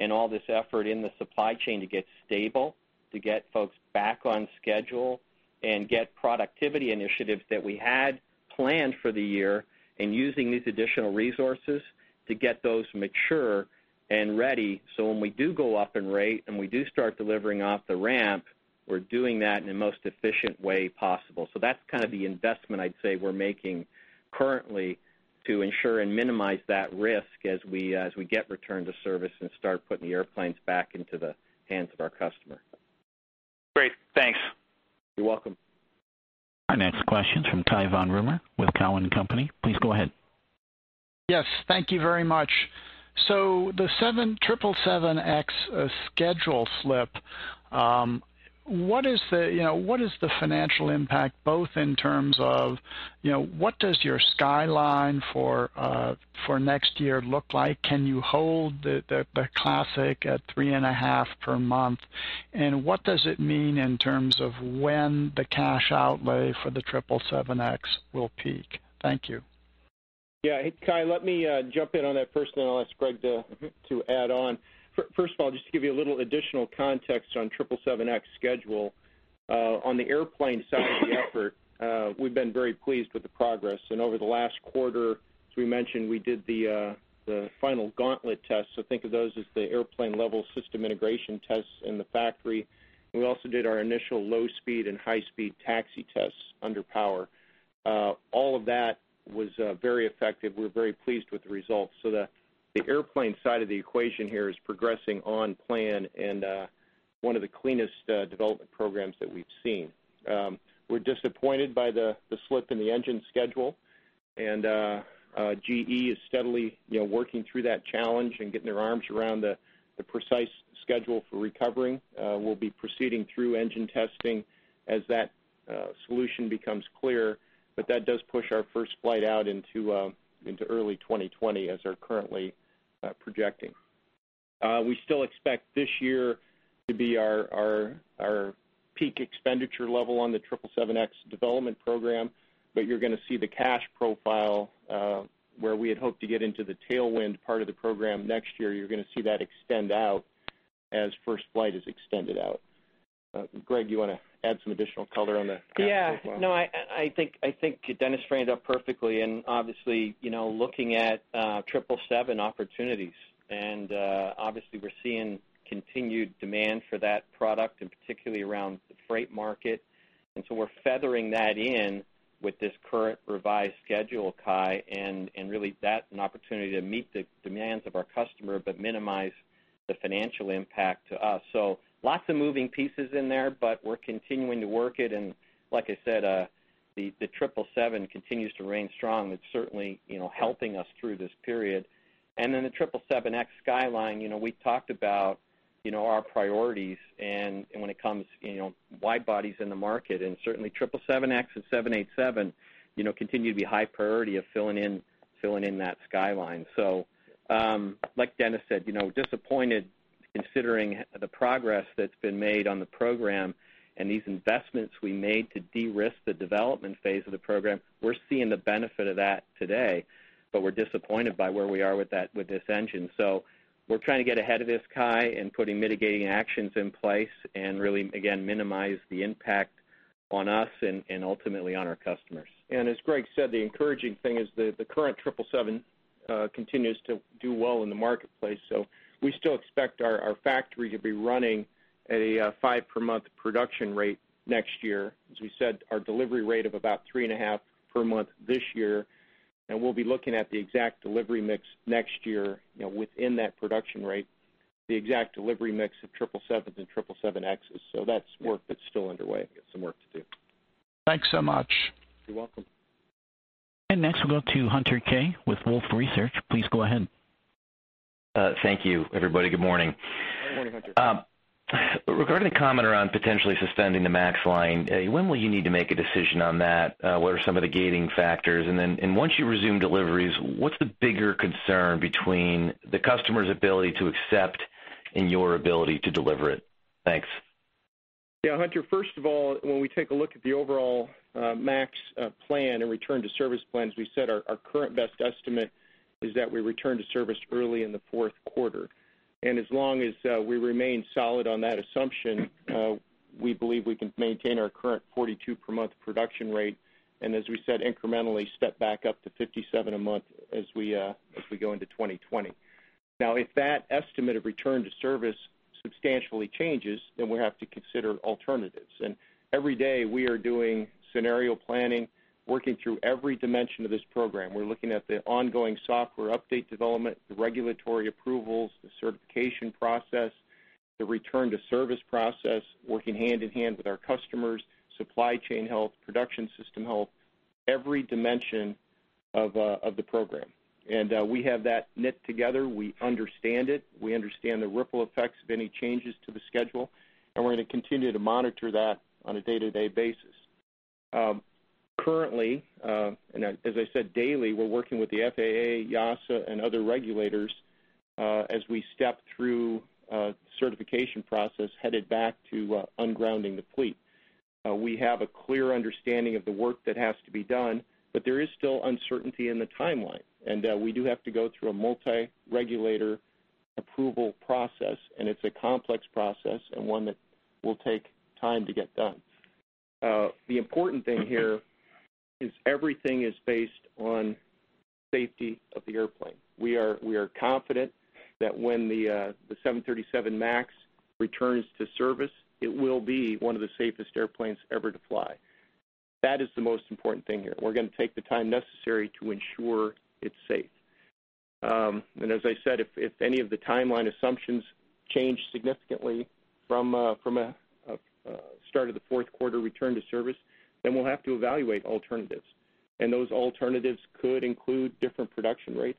and all this effort in the supply chain to get stable, to get folks back on schedule, and get productivity initiatives that we had planned for the year, and using these additional resources to get those mature and ready. When we do go up in rate, and we do start delivering off the ramp, we're doing that in the most efficient way possible. That's kind of the investment I'd say we're making currently to ensure and minimize that risk as we get return to service, and start putting the airplanes back into the hands of our customer. Great, thanks. You're welcome. Our next question from Cai von Rumohr with Cowen and Company. Please go ahead. Yes, thank you very much. The 777X schedule slip, what is the financial impact, both in terms of what does your skyline for next year look like? Can you hold the classic at 3.5 per month? What does it mean in terms of when the cash outlay for the 777X will peak? Thank you. Yeah. Hey, Cai, let me jump in on that first, then I'll ask Greg to add on. First of all, just to give you a little additional context on 777X schedule. On the airplane side of the effort, we've been very pleased with the progress. Over the last quarter, as we mentioned, we did the final gauntlet test. Think of those as the airplane level system integration tests in the factory. We also did our initial low-speed and high-speed taxi tests under power. All of that was very effective. We're very pleased with the results. The airplane side of the equation here is progressing on plan, and one of the cleanest development programs that we've seen. We're disappointed by the slip in the engine schedule. GE is steadily working through that challenge, and getting their arms around the precise schedule for recovering. We'll be proceeding through engine testing as that solution becomes clear, but that does push our first flight out into early 2020, as we're currently projecting. We still expect this year to be our peak expenditure level on the 777X development program, but you're going to see the cash profile, where we had hoped to get into the tailwind part of the program next year, you're going to see that extend out as first flight is extended out. Greg, you want to add some additional color on the cash profile? Yeah. No, I think Dennis framed it up perfectly and obviously, looking at 777 opportunities. Obviously, we're seeing continued demand for that product, and particularly around the freight market. We're feathering that in with this current revised schedule, Cai, and really that's an opportunity to meet the demands of our customer, but minimize the financial impact to us. Lots of moving pieces in there, but we're continuing to work it. Like I said, the 777 continues to reign strong. It's certainly helping us through this period. Then the 777X skyline, we talked about our priorities, and when it comes wide bodies in the market, and certainly 777X and 787 continue to be high priority of filling in that skyline. Like Dennis said, we're disappointed considering the progress that's been made on the program, and these investments we made to de-risk the development phase of the program. We're seeing the benefit of that today, but we're disappointed by where we are with this engine. We're trying to get ahead of this, Cai, and putting mitigating actions in place and really, again, minimize the impact on us, and ultimately on our customers. As Greg said, the encouraging thing is the current 777 continues to do well in the marketplace. We still expect our factory to be running at a five per month production rate next year. As we said, our delivery rate of about 3.5 per month this year. We'll be looking at the exact delivery mix next year within that production rate, the exact delivery mix of 777s and 777Xs. That's work that's still underway. Got some work to do. Thanks so much. You're welcome. Next we'll go to Hunter Keay with Wolfe Research. Please go ahead. Thank you, everybody. Good morning. Good morning, Hunter. Regarding the comment around potentially suspending the MAX line, when will you need to make a decision on that? What are some of the gating factors? Once you resume deliveries, what's the bigger concern between the customer's ability to accept, and your ability to deliver it? Thanks. Hunter, first of all, when we take a look at the overall MAX plan and return to service plan, as we said, our current best estimate is that we return to service early in the fourth quarter. As long as we remain solid on that assumption, we believe we can maintain our current 42 per month production rate. As we said, incrementally step back up to 57 a month as we go into 2020. If that estimate of return to service substantially changes, then we'll have to consider alternatives. Every day we are doing scenario planning, working through every dimension of this program. We're looking at the ongoing software update development, the regulatory approvals, the certification process, the return to service process, working hand-in-hand with our customers, supply chain health, production system health, every dimension of the program. We have that knit together. We understand it. We understand the ripple effects of any changes to the schedule, and we're going to continue to monitor that on a day-to-day basis. Currently, and as I said, daily, we're working with the FAA, EASA, and other regulators as we step through certification process headed back to ungrounding the fleet. We have a clear understanding of the work that has to be done, but there is still uncertainty in the timeline, and we do have to go through a multi-regulator approval process, and it's a complex process, and one that will take time to get done. The important thing here is everything is based on safety of the airplane. We are confident that when the 737 MAX returns to service, it will be one of the safest airplanes ever to fly. That is the most important thing here. We're going to take the time necessary to ensure it's safe. As I said, if any of the timeline assumptions change significantly from a start of the fourth quarter return to service, we'll have to evaluate alternatives. Those alternatives could include different production rates.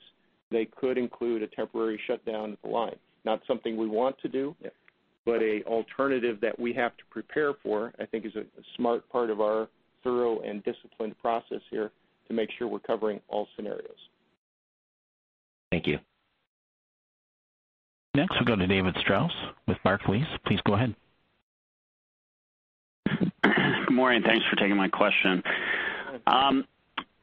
They could include a temporary shutdown of the line. Not something we want to do. Yeah. An alternative that we have to prepare for, I think is a smart part of our thorough and disciplined process here to make sure we're covering all scenarios. Thank you. Next, we'll go to David Strauss with Barclays. Please go ahead. Good morning, thanks for taking my question. Good morning.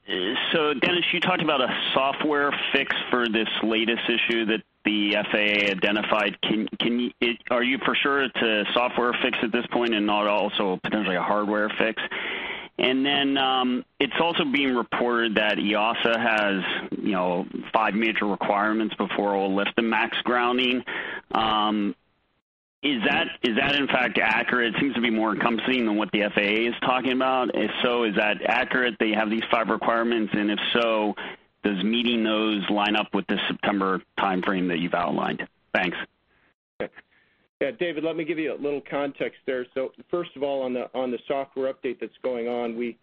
Dennis, you talked about a software fix for this latest issue that the FAA identified. Can you, are you for sure it's a software fix at this point, and not also potentially a hardware fix? It's also being reported that EASA has five major requirements before it will lift the MAX grounding. Is that in fact accurate? It seems to be more encompassing than what the FAA is talking about. If so, is that accurate that you have these five requirements, and if so, does meeting those line up with the September timeframe that you've outlined? Thanks. Yeah, David, let me give you a little context there. First of all, on the software update that's going on, we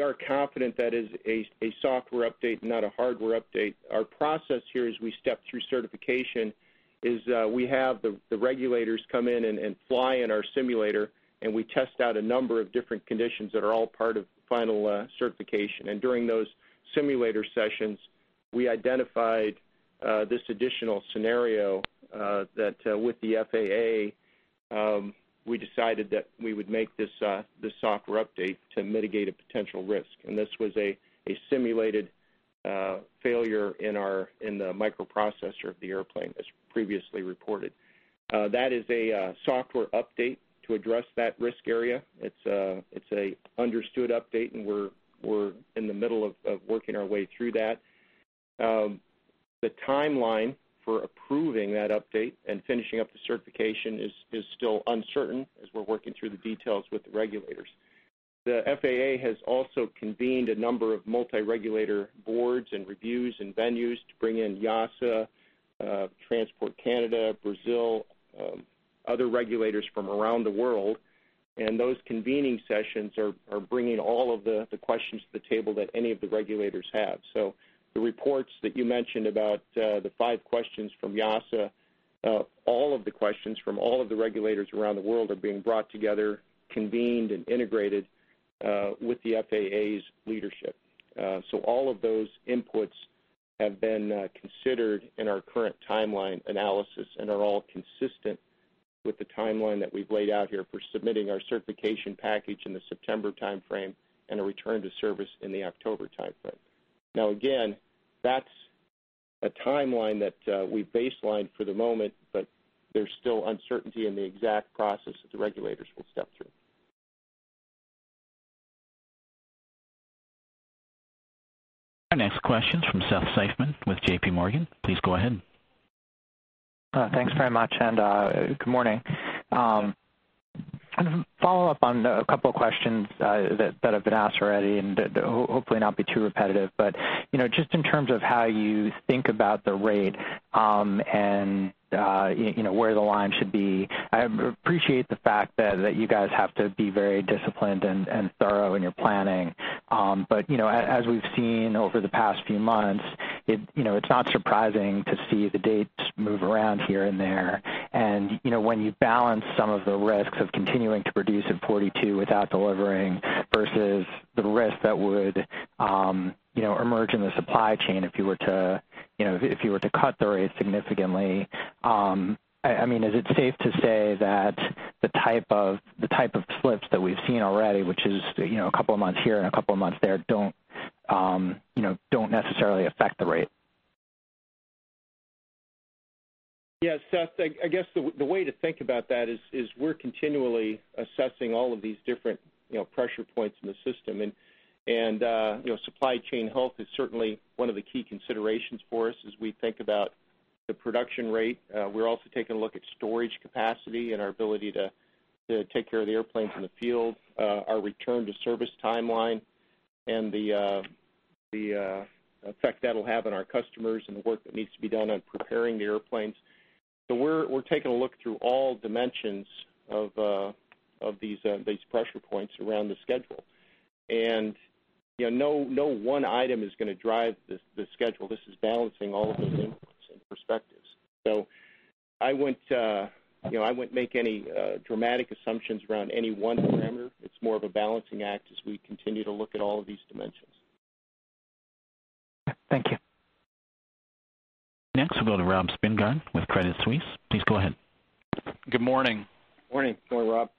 are confident that is a software update, not a hardware update. Our process here as we step through certification is we have the regulators come in and fly in our simulator, and we test out a number of different conditions that are all part of final certification. During those simulator sessions, we identified this additional scenario, that with the FAA, we decided that we would make this software update to mitigate a potential risk, and this was a simulated failure in the microprocessor of the airplane as previously reported. That is a software update to address that risk area. It's an understood update, and we're in the middle of working our way through that. The timeline for approving that update, and finishing up the certification is still uncertain as we're working through the details with the regulators. The FAA has also convened a number of multi-regulator boards, and reviews, and venues to bring in EASA, Transport Canada, Brazil, other regulators from around the world, and those convening sessions are bringing all of the questions to the table that any of the regulators have. The reports that you mentioned about the five questions from EASA, all of the questions from all of the regulators around the world are being brought together, convened, and integrated with the FAA's leadership. All of those inputs have been considered in our current timeline analysis, and are all consistent with the timeline that we've laid out here for submitting our certification package in the September timeframe, and a return to service in the October timeframe. Again, that's a timeline that we've baselined for the moment, but there's still uncertainty in the exact process that the regulators will step through. Our next question's from Seth Seifman with JPMorgan. Please go ahead. Thanks very much, and good morning. Follow up on a couple of questions that have been asked already, and hopefully not be too repetitive, but just in terms of how you think about the rate, and where the line should be, I appreciate the fact that you guys have to be very disciplined and thorough in your planning. As we've seen over the past few months, it's not surprising to see the dates move around here and there, and when you balance some of the risks of continuing to produce at 42 without delivering versus the risk that would emerge in the supply chain if you were to cut the rate significantly, is it safe to say that the type of slips that we've seen already, which is a couple of months here and a couple of months there, don't necessarily affect the rate? Seth, I guess the way to think about that is we're continually assessing all of these different pressure points in the system, and supply chain health is certainly one of the key considerations for us as we think about the production rate. We're also taking a look at storage capacity, and our ability to take care of the airplanes in the field, our return to service timeline, and the effect that'll have on our customers, and the work that needs to be done on preparing the airplanes. We're taking a look through all dimensions of these pressure points around the schedule. No one item is going to drive the schedule. This is balancing all of those inputs perspectives. I wouldn't make any dramatic assumptions around any one parameter. It's more of a balancing act as we continue to look at all of these dimensions. Thank you. Next, we'll go to Rob Spingarn with Credit Suisse. Please go ahead. Good morning. Morning. Good morning, Rob.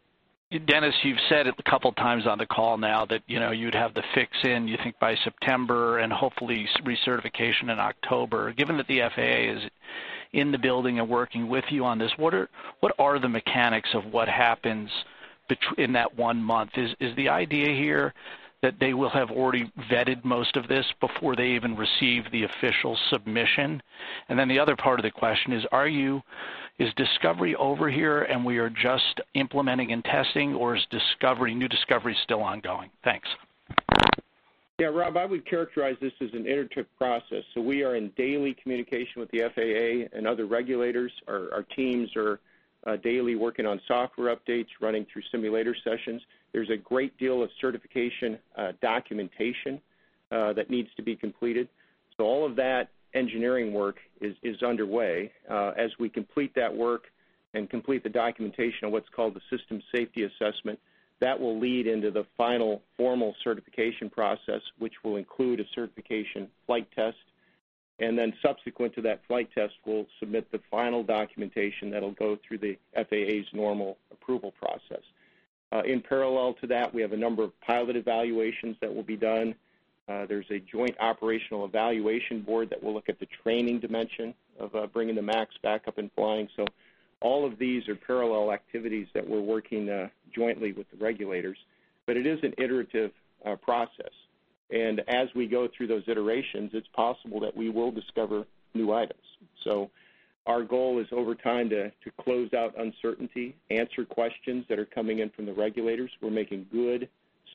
Dennis, you've said it a couple times on the call now that you'd have the fix in, you think, by September, and hopefully recertification in October. Given that the FAA is in the building and working with you on this, what are the mechanics of what happens in that one month? Is the idea here that they will have already vetted most of this before they even receive the official submission? The other part of the question, are you, is discovery over here, and we are just implementing and testing, or is discovery, new discovery still ongoing? Thanks. Yeah, Rob, I would characterize this as an iterative process. We are in daily communication with the FAA and other regulators. Our teams are daily working on software updates, running through simulator sessions. There's a great deal of certification documentation that needs to be completed. All of that engineering work is underway. As we complete that work, and complete the documentation on what's called the system safety assessment, that will lead into the final formal certification process, which will include a certification flight test. Subsequent to that flight test, we'll submit the final documentation that'll go through the FAA's normal approval process. In parallel to that, we have a number of pilot evaluations that will be done. There's a Joint Operational Evaluation Board that will look at the training dimension of bringing the MAX back up and flying. All of these are parallel activities that we're working jointly with the regulators, but it is an iterative process. As we go through those iterations, it's possible that we will discover new items. Our goal is over time to close out uncertainty, answer questions that are coming in from the regulators. We're making good,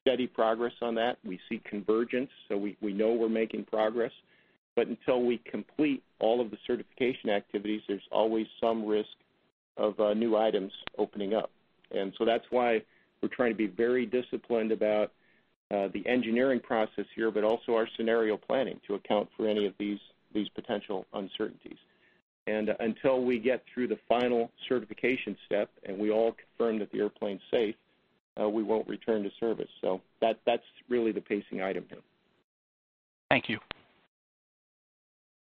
steady progress on that. We see convergence, so we know we're making progress. Until we complete all of the certification activities, there's always some risk of new items opening up. That's why we're trying to be very disciplined about the engineering process here, but also our scenario planning to account for any of these potential uncertainties. Until we get through the final certification step, and we all confirm that the airplane's safe, we won't return to service. That's really the pacing item here. Thank you.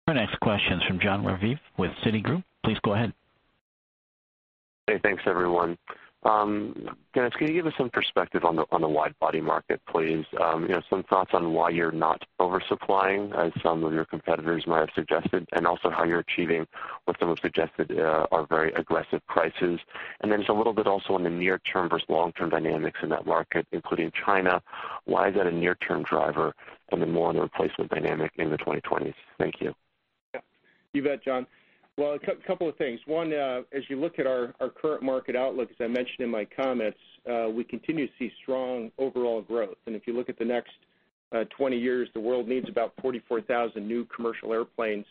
Our next question is from Jon Raviv with Citigroup. Please go ahead. Hey, thanks everyone. Dennis, can you give us some perspective on the wide-body market, please? Some thoughts on why you're not oversupplying as some of your competitors might have suggested, and also how you're achieving what some have suggested are very aggressive prices. Just a little bit also on the near-term versus long-term dynamics in that market, including China. Why is that a near-term driver, and then more on the replacement dynamic in the 2020s? Thank you. You bet, Jon. Well, a couple of things. One, as you look at our current market outlook, as I mentioned in my comments, we continue to see strong overall growth. If you look at the next 20 years, the world needs about 44,000 new commercial airplanes,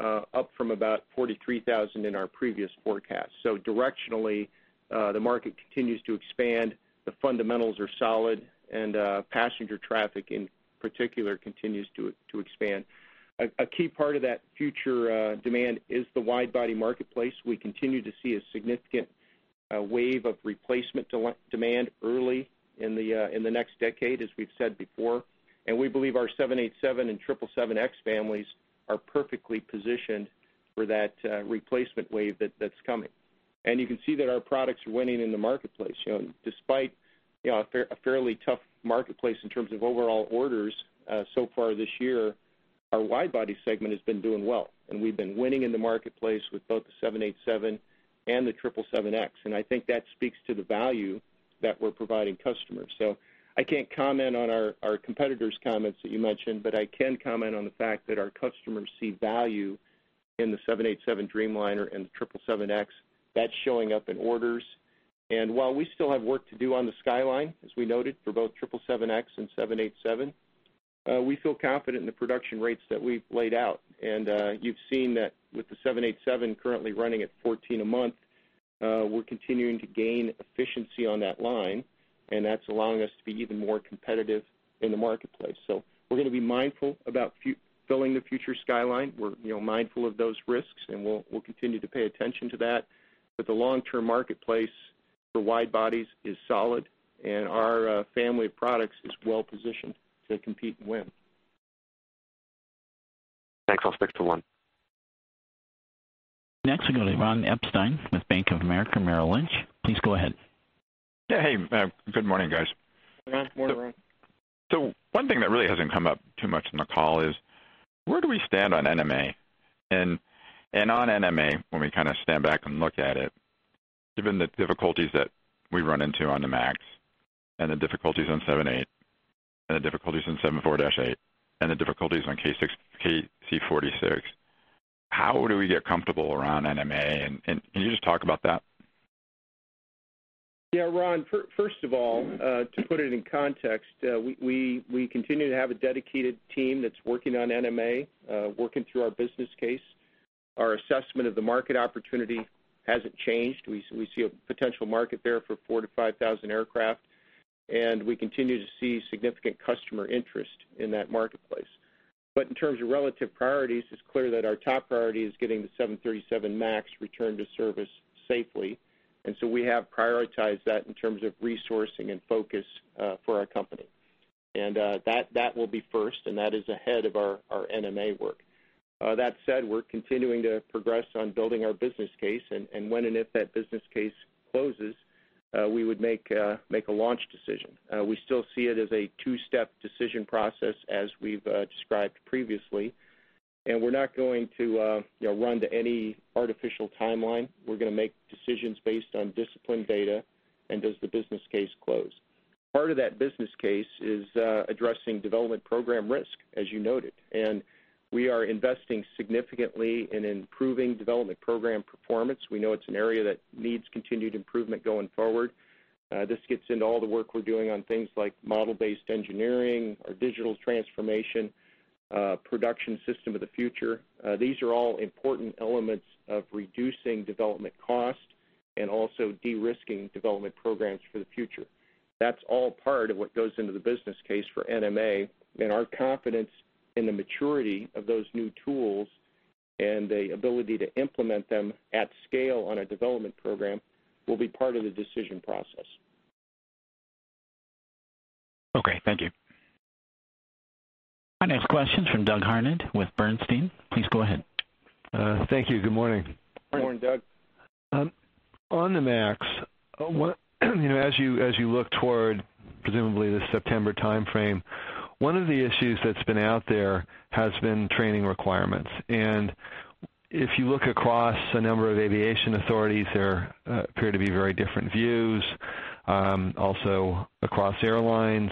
up from about 43,000 in our previous forecast. Directionally, the market continues to expand. The fundamentals are solid, and passenger traffic in particular continues to expand. A key part of that future demand is the wide-body marketplace. We continue to see a significant wave of replacement demand early in the next decade, as we've said before. We believe our 787 and 777X families are perfectly positioned for that replacement wave that's coming. You can see that our products are winning in the marketplace. Despite a fairly tough marketplace in terms of overall orders so far this year, our wide-body segment has been doing well, and we've been winning in the marketplace with both the 787 and the 777X. I think that speaks to the value that we're providing customers. I can't comment on our competitor's comments that you mentioned, but I can comment on the fact that our customers see value in the 787 Dreamliner and the 777X. That's showing up in orders. While we still have work to do on the skyline, as we noted, for both 777X and 787, we feel confident in the production rates that we've laid out. You've seen that with the 787 currently running at 14 a month, we're continuing to gain efficiency on that line, and that's allowing us to be even more competitive in the marketplace. We're going to be mindful about filling the future skyline. We're mindful of those risks, and we'll continue to pay attention to that. The long-term marketplace for wide bodies is solid, and our family of products is well-positioned to compete and win. Thanks. I'll stick to one. Next we go to Ron Epstein with Bank of America Merrill Lynch. Please go ahead. Yeah. Hey, good morning, guys. Morning. Morning, Ron. One thing that really hasn't come up too much in the call is where do we stand on NMA? On NMA, when we kind of stand back, and look at it, given the difficulties that we've run into on the MAX, and the difficulties on 78, and the difficulties on 74-8, and the difficulties on KC-46, how do we get comfortable around NMA? Can you just talk about that? Ron, first of all, to put it in context, we continue to have a dedicated team that's working on NMA, working through our business case. Our assessment of the market opportunity hasn't changed. We see a potential market there for 4,000 aircraft-5,000 aircraft. We continue to see significant customer interest in that marketplace. In terms of relative priorities, it's clear that our top priority is getting the 737 MAX returned to service safely. We have prioritized that in terms of resourcing and focus for our company. That will be first, and that is ahead of our NMA work. That said, we're continuing to progress on building our business case, and when and if that business case closes, we would make a launch decision. We still see it as a two-step decision process as we've described previously, and we're not going to run to any artificial timeline. We're going to make decisions based on disciplined data, and does the business case close. Part of that business case is addressing development program risk, as you noted, and we are investing significantly in improving development program performance. We know it's an area that needs continued improvement going forward. This gets into all the work we're doing on things like model-based engineering, or digital transformation, production system of the future. These are all important elements of reducing development cost, and also de-risking development programs for the future. That's all part of what goes into the business case for NMA, and our confidence in the maturity of those new tools, and the ability to implement them at scale on a development program will be part of the decision process. Okay, thank you. Our next question is from Doug Harned with Bernstein. Please go ahead. Thank you. Good morning. Morning, Doug. On the MAX, as you look toward presumably the September timeframe, one of the issues that's been out there has been training requirements. If you look across a number of aviation authorities, there appear to be very different views, also across airlines.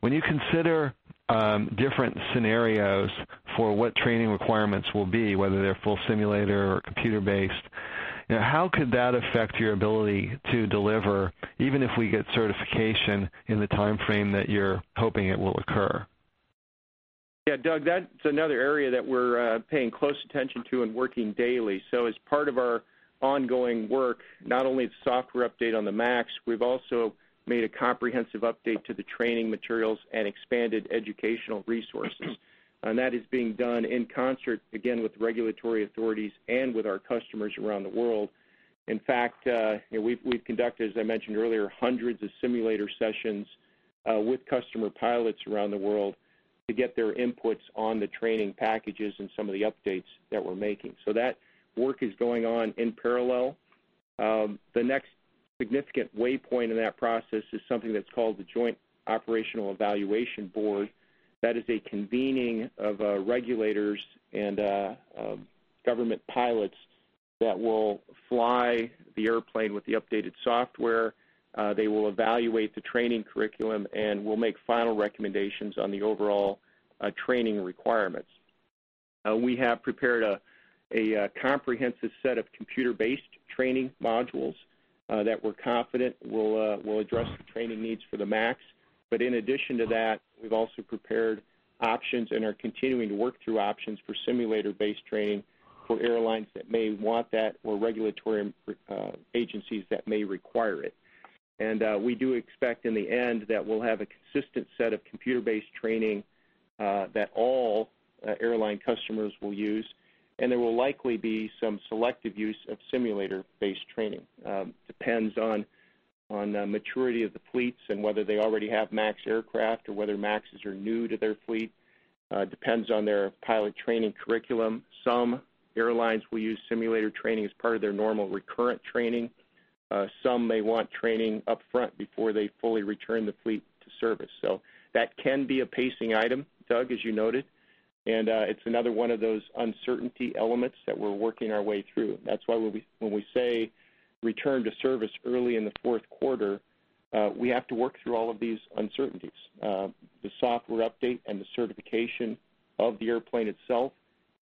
When you consider different scenarios for what training requirements will be, whether they're full simulator or computer-based, how could that affect your ability to deliver, even if we get certification in the timeframe that you're hoping it will occur? Yeah, Doug, that's another area that we're paying close attention to, and working daily. As part of our ongoing work, not only the software update on the MAX, we've also made a comprehensive update to the training materials, and expanded educational resources. That is being done in concert, again, with regulatory authorities and with our customers around the world. In fact, we've conducted, as I mentioned earlier, hundreds of simulator sessions with customer pilots around the world to get their inputs on the training packages, and some of the updates that we're making. That work is going on in parallel. The next significant waypoint in that process is something that's called the Joint Operational Evaluation Board. That is a convening of regulators and government pilots that will fly the airplane with the updated software. They will evaluate the training curriculum. We'll make final recommendations on the overall training requirements. We have prepared a comprehensive set of computer-based training modules that we're confident will address the training needs for the MAX. In addition to that, we've also prepared options, and are continuing to work through options for simulator-based training for airlines that may want that or regulatory agencies that may require it. We do expect in the end that we'll have a consistent set of computer-based training that all airline customers will use, and there will likely be some selective use of simulator-based training. Depends on the maturity of the fleets, and whether they already have MAX aircraft, or whether MAXs are new to their fleet. Depends on their pilot training curriculum. Some airlines will use simulator training as part of their normal recurrent training. Some may want training up front before they fully return the fleet to service. That can be a pacing item, Doug, as you noted, and it's another one of those uncertainty elements that we're working our way through. That's why when we say return to service early in the fourth quarter, we have to work through all of these uncertainties. The software update and the certification of the airplane itself,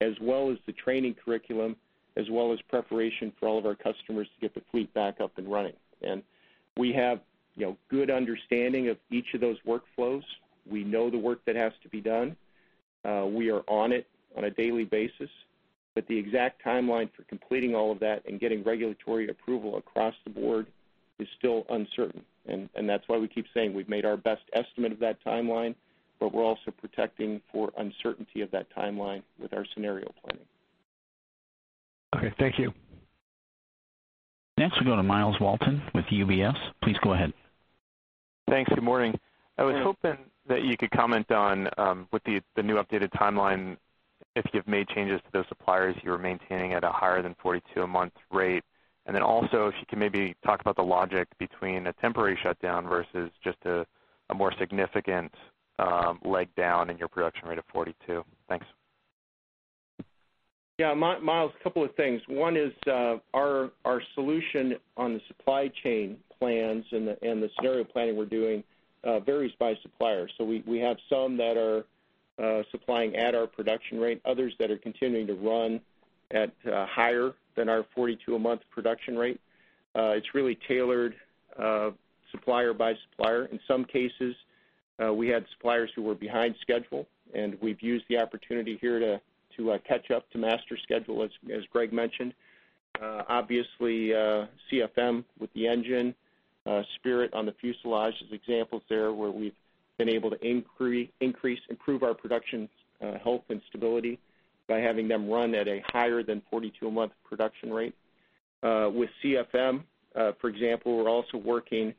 as well as the training curriculum, as well as preparation for all of our customers to get the fleet back up and running. We have good understanding of each of those workflows. We know the work that has to be done. We are on it on a daily basis. The exact timeline for completing all of that, and getting regulatory approval across the board is still uncertain. That's why we keep saying we've made our best estimate of that timeline. We're also protecting for uncertainty of that timeline with our scenario planning. Okay, thank you. Next we go to Myles Walton with UBS. Please go ahead. Thanks. Good morning. I was hoping that you could comment on, with the new updated timeline, if you've made changes to those suppliers you were maintaining at a higher than 42 a month rate. Also if you could maybe talk about the logic between a temporary shutdown versus just a more significant leg down in your production rate of 42. Thanks. Myles, a couple of things. One is our solution on the supply chain plans, and the scenario planning we're doing varies by supplier. We have some that are supplying at our production rate, others that are continuing to run at higher than our 42-a-month production rate. It's really tailored supplier by supplier. In some cases, we had suppliers who were behind schedule, and we've used the opportunity here to catch up to master schedule, as Greg mentioned. Obviously, CFM with the engine, Spirit on the fuselage as examples there where we've been able to increase, improve our production health and stability by having them run at a higher than 42-a-month production rate. With CFM, for example, we're also working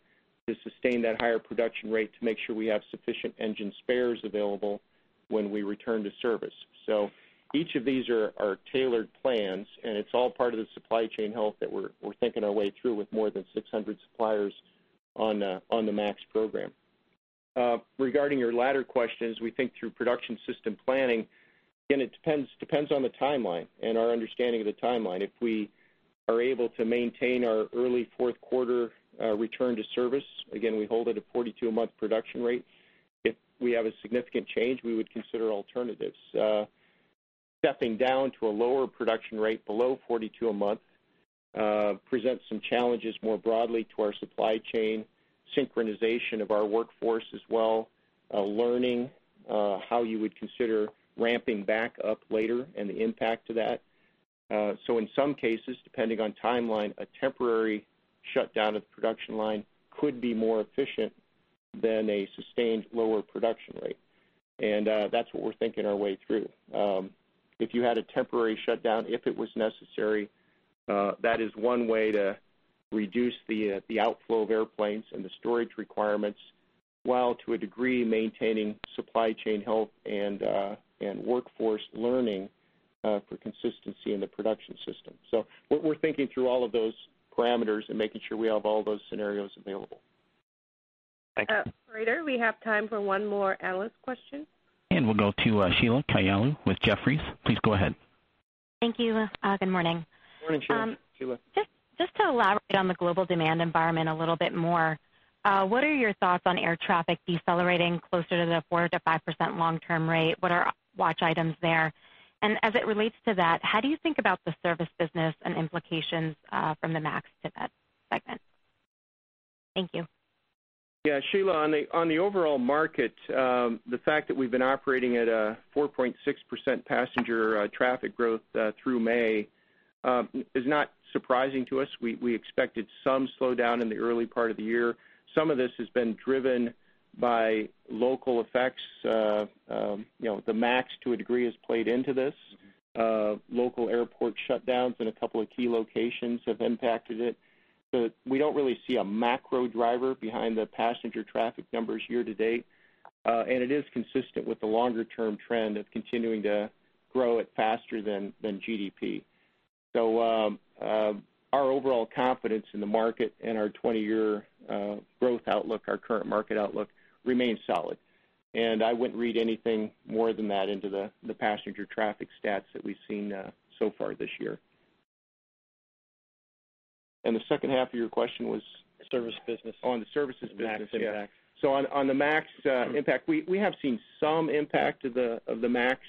to sustain that higher production rate to make sure we have sufficient engine spares available when we return to service. Each of these are tailored plans, and it's all part of the supply chain health that we're thinking our way through with more than 600 suppliers on the MAX program. Regarding your latter questions, we think through production system planning. Again, it depends on the timeline, and our understanding of the timeline. If we are able to maintain our early fourth quarter return to service, again, we hold it at 42-a-month production rate. If we have a significant change, we would consider alternatives. Stepping down to a lower production rate below 42 a month presents some challenges more broadly to our supply chain, synchronization of our workforce as well, learning how you would consider ramping back up later, and the impact of that. In some cases, depending on timeline, a temporary shutdown of the production line could be more efficient than a sustained lower production rate. That's what we're thinking our way through. If you had a temporary shutdown, if it was necessary, that is one way to reduce the outflow of airplanes, and the storage requirements, while to a degree, maintaining supply chain health, and workforce learning for consistency in the production system. We're thinking through all of those parameters, and making sure we have all those scenarios available. Thank you. Operator, we have time for one more analyst question. We'll go to Sheila Kahyaoglu with Jefferies. Please go ahead. Thank you. Good morning. Morning, Sheila. Just to elaborate on the global demand environment a little bit more, what are your thoughts on air traffic decelerating closer to the 4%-5% long-term rate? What are watch items there? As it relates to that, how do you think about the service business, and implications from the MAX segment? Thank you. Sheila, on the overall market, the fact that we've been operating at a 4.6% passenger traffic growth through May is not surprising to us. We expected some slowdown in the early part of the year. Some of this has been driven by local effects. The MAX, to a degree, has played into this. Local airport shutdowns in a couple of key locations have impacted it. We don't really see a macro driver behind the passenger traffic numbers year to date. It is consistent with the longer-term trend of continuing to grow it faster than GDP. Our overall confidence in the market, and our 20-year growth outlook, our current market outlook, remains solid. I wouldn't read anything more than that into the passenger traffic stats that we've seen so far this year. The second half of your question was? Service business. On the services business. The MAX impact. On the MAX impact, we have seen some impact of the MAX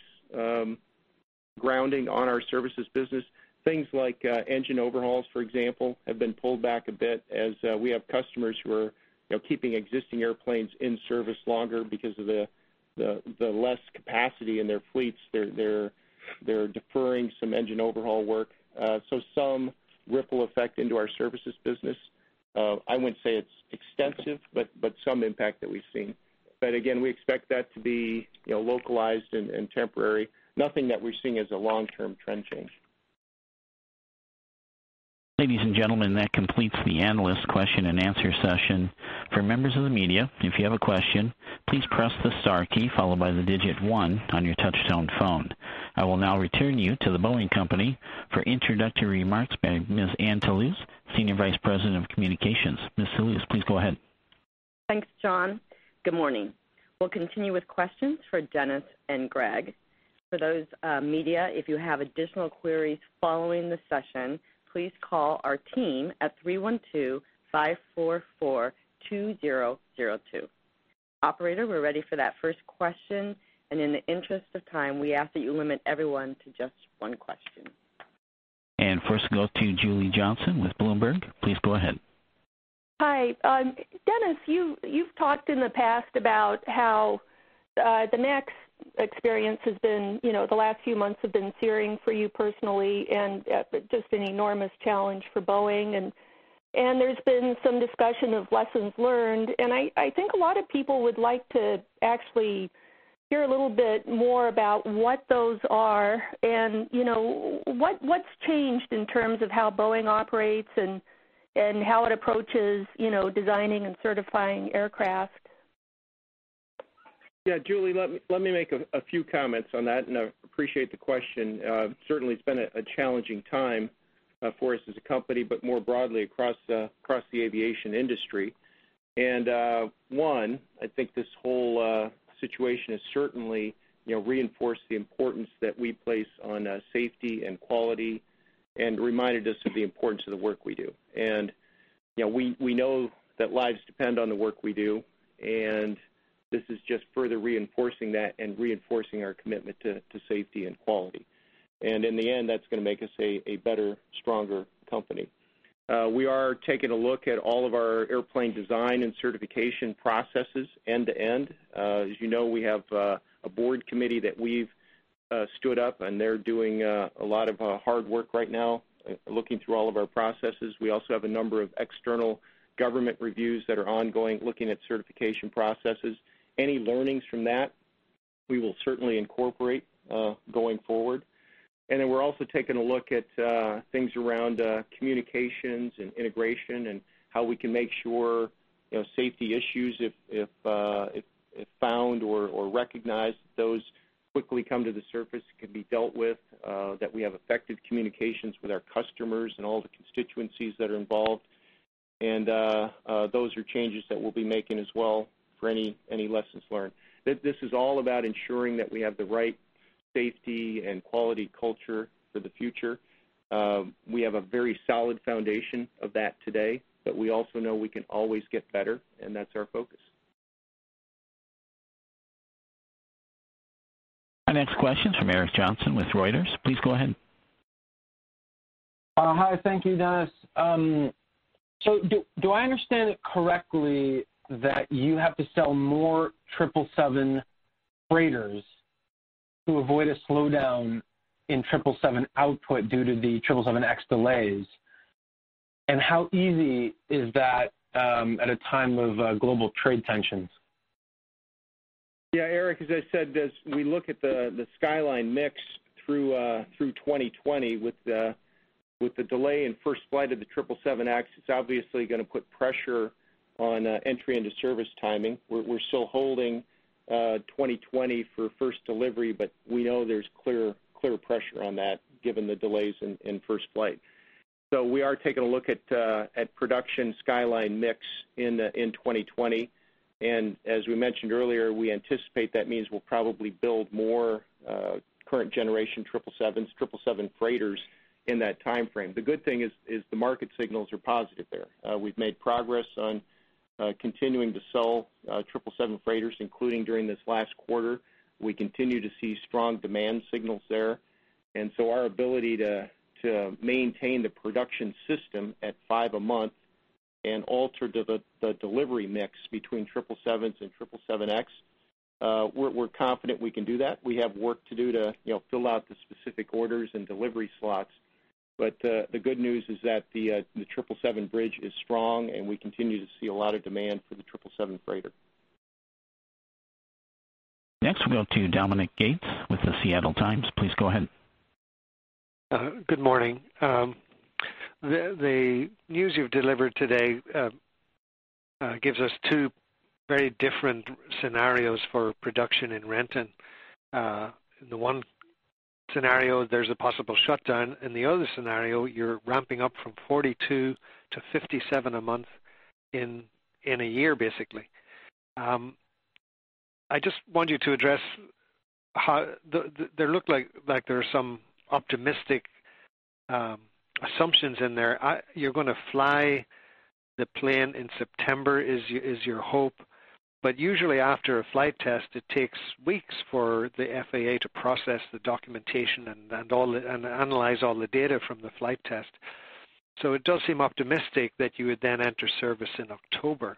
grounding on our services business. Things like engine overhauls, for example, have been pulled back a bit as we have customers who are keeping existing airplanes in service longer because of the less capacity in their fleets. They're deferring some engine overhaul work. Some ripple effect into our services business. I wouldn't say it's extensive, but some impact that we've seen. Again, we expect that to be localized and temporary. Nothing that we're seeing as a long-term trend change. Ladies and gentlemen, that completes the analyst question and answer session. For members of the media, if you have a question, please press the star key followed by the digit one on your touch-tone phone. I will now return you to The Boeing Company for introductory remarks by Ms. Anne Toulouse, Senior Vice President, Communications. Ms. Toulouse, please go ahead. Thanks, John. Good morning. We'll continue with questions for Dennis and Greg. For those media, if you have additional queries following the session, please call our team at 312-544-2002. Operator, we're ready for that first question, and in the interest of time, we ask that you limit everyone to just one question. First goes to Julie Johnsson with Bloomberg. Please go ahead. Hi. Dennis, you've talked in the past about how the MAX experience has been, the last few months have been searing for you personally, and just an enormous challenge for Boeing. There's been some discussion of lessons learned, and I think a lot of people would like to actually hear a little bit more about what those are, and what's changed in terms of how Boeing operates, and how it approaches designing and certifying aircraft. Yeah, Julie, let me make a few comments on that. I appreciate the question. Certainly, it's been a challenging time for us as a company, but more broadly across the aviation industry. One, I think this whole situation has certainly reinforced the importance that we place on safety and quality, and reminded us of the importance of the work we do. We know that lives depend on the work we do, and this is just further reinforcing that, and reinforcing our commitment to safety and quality. In the end, that's going to make us a better, stronger company. We are taking a look at all of our airplane design and certification processes end to end. As you know, we have a board committee that we've stood up, and they're doing a lot of hard work right now, looking through all of our processes. We also have a number of external government reviews that are ongoing, looking at certification processes. Any learnings from that, we will certainly incorporate going forward. We are also taking a look at things around communications and integration and how we can make sure safety issues, if found or recognized, those quickly come to the surface, can be dealt with, that we have effective communications with our customers and all the constituencies that are involved. Those are changes that we'll be making as well for any lessons learned. This is all about ensuring that we have the right safety and quality culture for the future. We have a very solid foundation of that today, but we also know we can always get better, and that's our focus. Our next question's from Eric Johnson with Reuters. Please go ahead. Hi. Thank you, Dennis. Do I understand correctly that you have to sell more 777 freighters to avoid a slowdown in 777 output due to the 777X delays? How easy is that at a time of global trade tensions? Yeah, Eric, as I said, as we look at the skyline mix through 2020 with the delay in first flight of the 777X, it's obviously going to put pressure on entry-into-service timing. We're still holding 2020 for first delivery, but we know there's clear pressure on that given the delays in first flight. We are taking a look at production skyline mix in 2020, and as we mentioned earlier, we anticipate that means we'll probably build more current generation 777 freighters in that timeframe. The good thing is the market signals are positive there. We've made progress on continuing to sell 777 freighters, including during this last quarter. We continue to see strong demand signals there. Our ability to maintain the production system at five a month, and alter the delivery mix between 777s and 777X, we're confident we can do that. We have work to do to fill out the specific orders and delivery slots. The good news is that the 777 bridge is strong, and we continue to see a lot of demand for the 777 freighter. Next, we'll go to Dominic Gates with The Seattle Times. Please go ahead. Good morning. The news you've delivered today gives us two very different scenarios for production in Renton. The one scenario, there's a possible shutdown, the other scenario, you're ramping up from 42-57 a month in a year, basically. I just want you to address, there look like there are some optimistic assumptions in there. You're going to fly the plane in September is your hope. Usually, after a flight test, it takes weeks for the FAA to process the documentation, and analyze all the data from the flight test. It does seem optimistic that you would then enter service in October.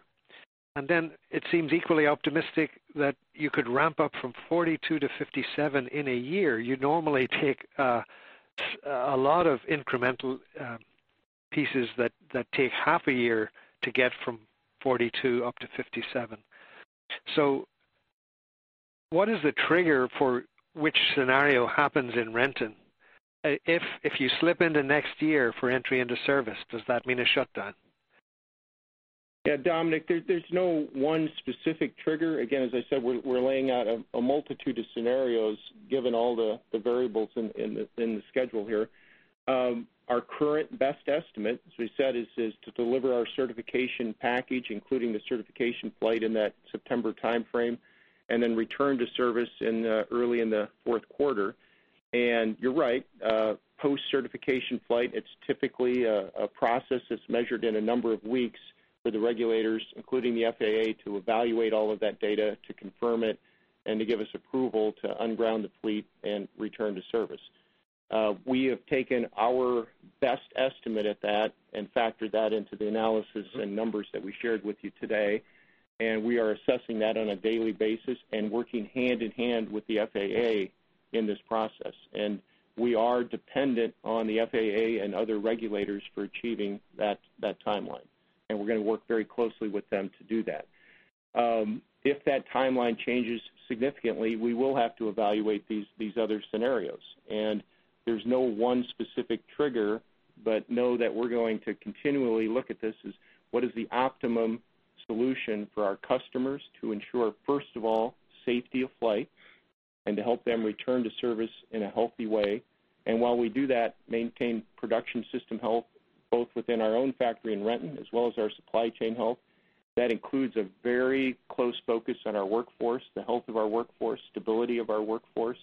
Then it seems equally optimistic that you could ramp up from 42-57 in a year. You normally take a lot of incremental pieces that take half a year to get from 42 up to 57. What is the trigger for which scenario happens in Renton? If you slip into next year for entry into service, does that mean a shutdown? Dominic, there's no one specific trigger. As I said, we're laying out a multitude of scenarios, given all the variables in the schedule here. Our current best estimate, as we said, is to deliver our certification package, including the certification flight in that September timeframe, and then return to service early in the fourth quarter. You're right, post-certification flight, it's typically a process that's measured in a number of weeks for the regulators, including the FAA, to evaluate all of that data, to confirm it, and to give us approval to unground the fleet, and return to service. We have taken our best estimate at that, and factored that into the analysis and numbers that we shared with you today, we are assessing that on a daily basis, and working hand in hand with the FAA in this process. We are dependent on the FAA and other regulators for achieving that timeline, and we're going to work very closely with them to do that. If that timeline changes significantly, we will have to evaluate these other scenarios. There's no one specific trigger, but know that we're going to continually look at this as what is the optimum solution for our customers to ensure, first of all, safety of flight, and to help them return to service in a healthy way. While we do that, maintain production system health, both within our own factory in Renton as well as our supply chain health. That includes a very close focus on our workforce, the health of our workforce, stability of our workforce,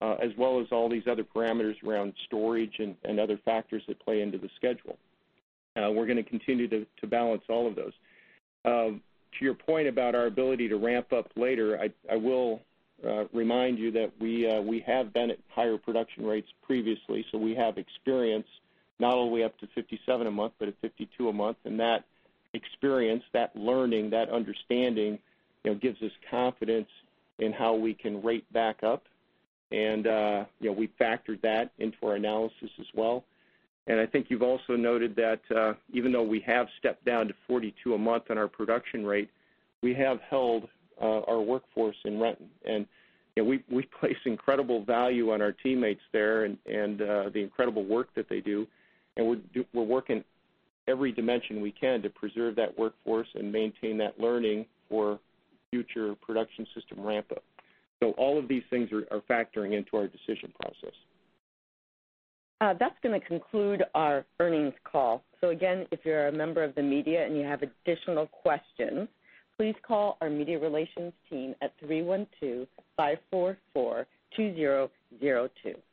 as well as all these other parameters around storage and other factors that play into the schedule. We're going to continue to balance all of those. To your point about our ability to ramp up later, I will remind you that we have been at higher production rates previously, so we have experience not only up to 57 a month, but at 52 a month. That experience, that learning, that understanding, gives us confidence in how we can rate back up, and we factored that into our analysis as well. I think you've also noted that even though we have stepped down to 42 a month on our production rate, we have held our workforce in Renton, and we place incredible value on our teammates there, and the incredible work that they do. We're working every dimension we can to preserve that workforce, and maintain that learning for future production system ramp-up. All of these things are factoring into our decision process. That's going to conclude our earnings call. Again, if you're a member of the media and you have additional questions, please call our media relations team at 312-544-2002. Thanks.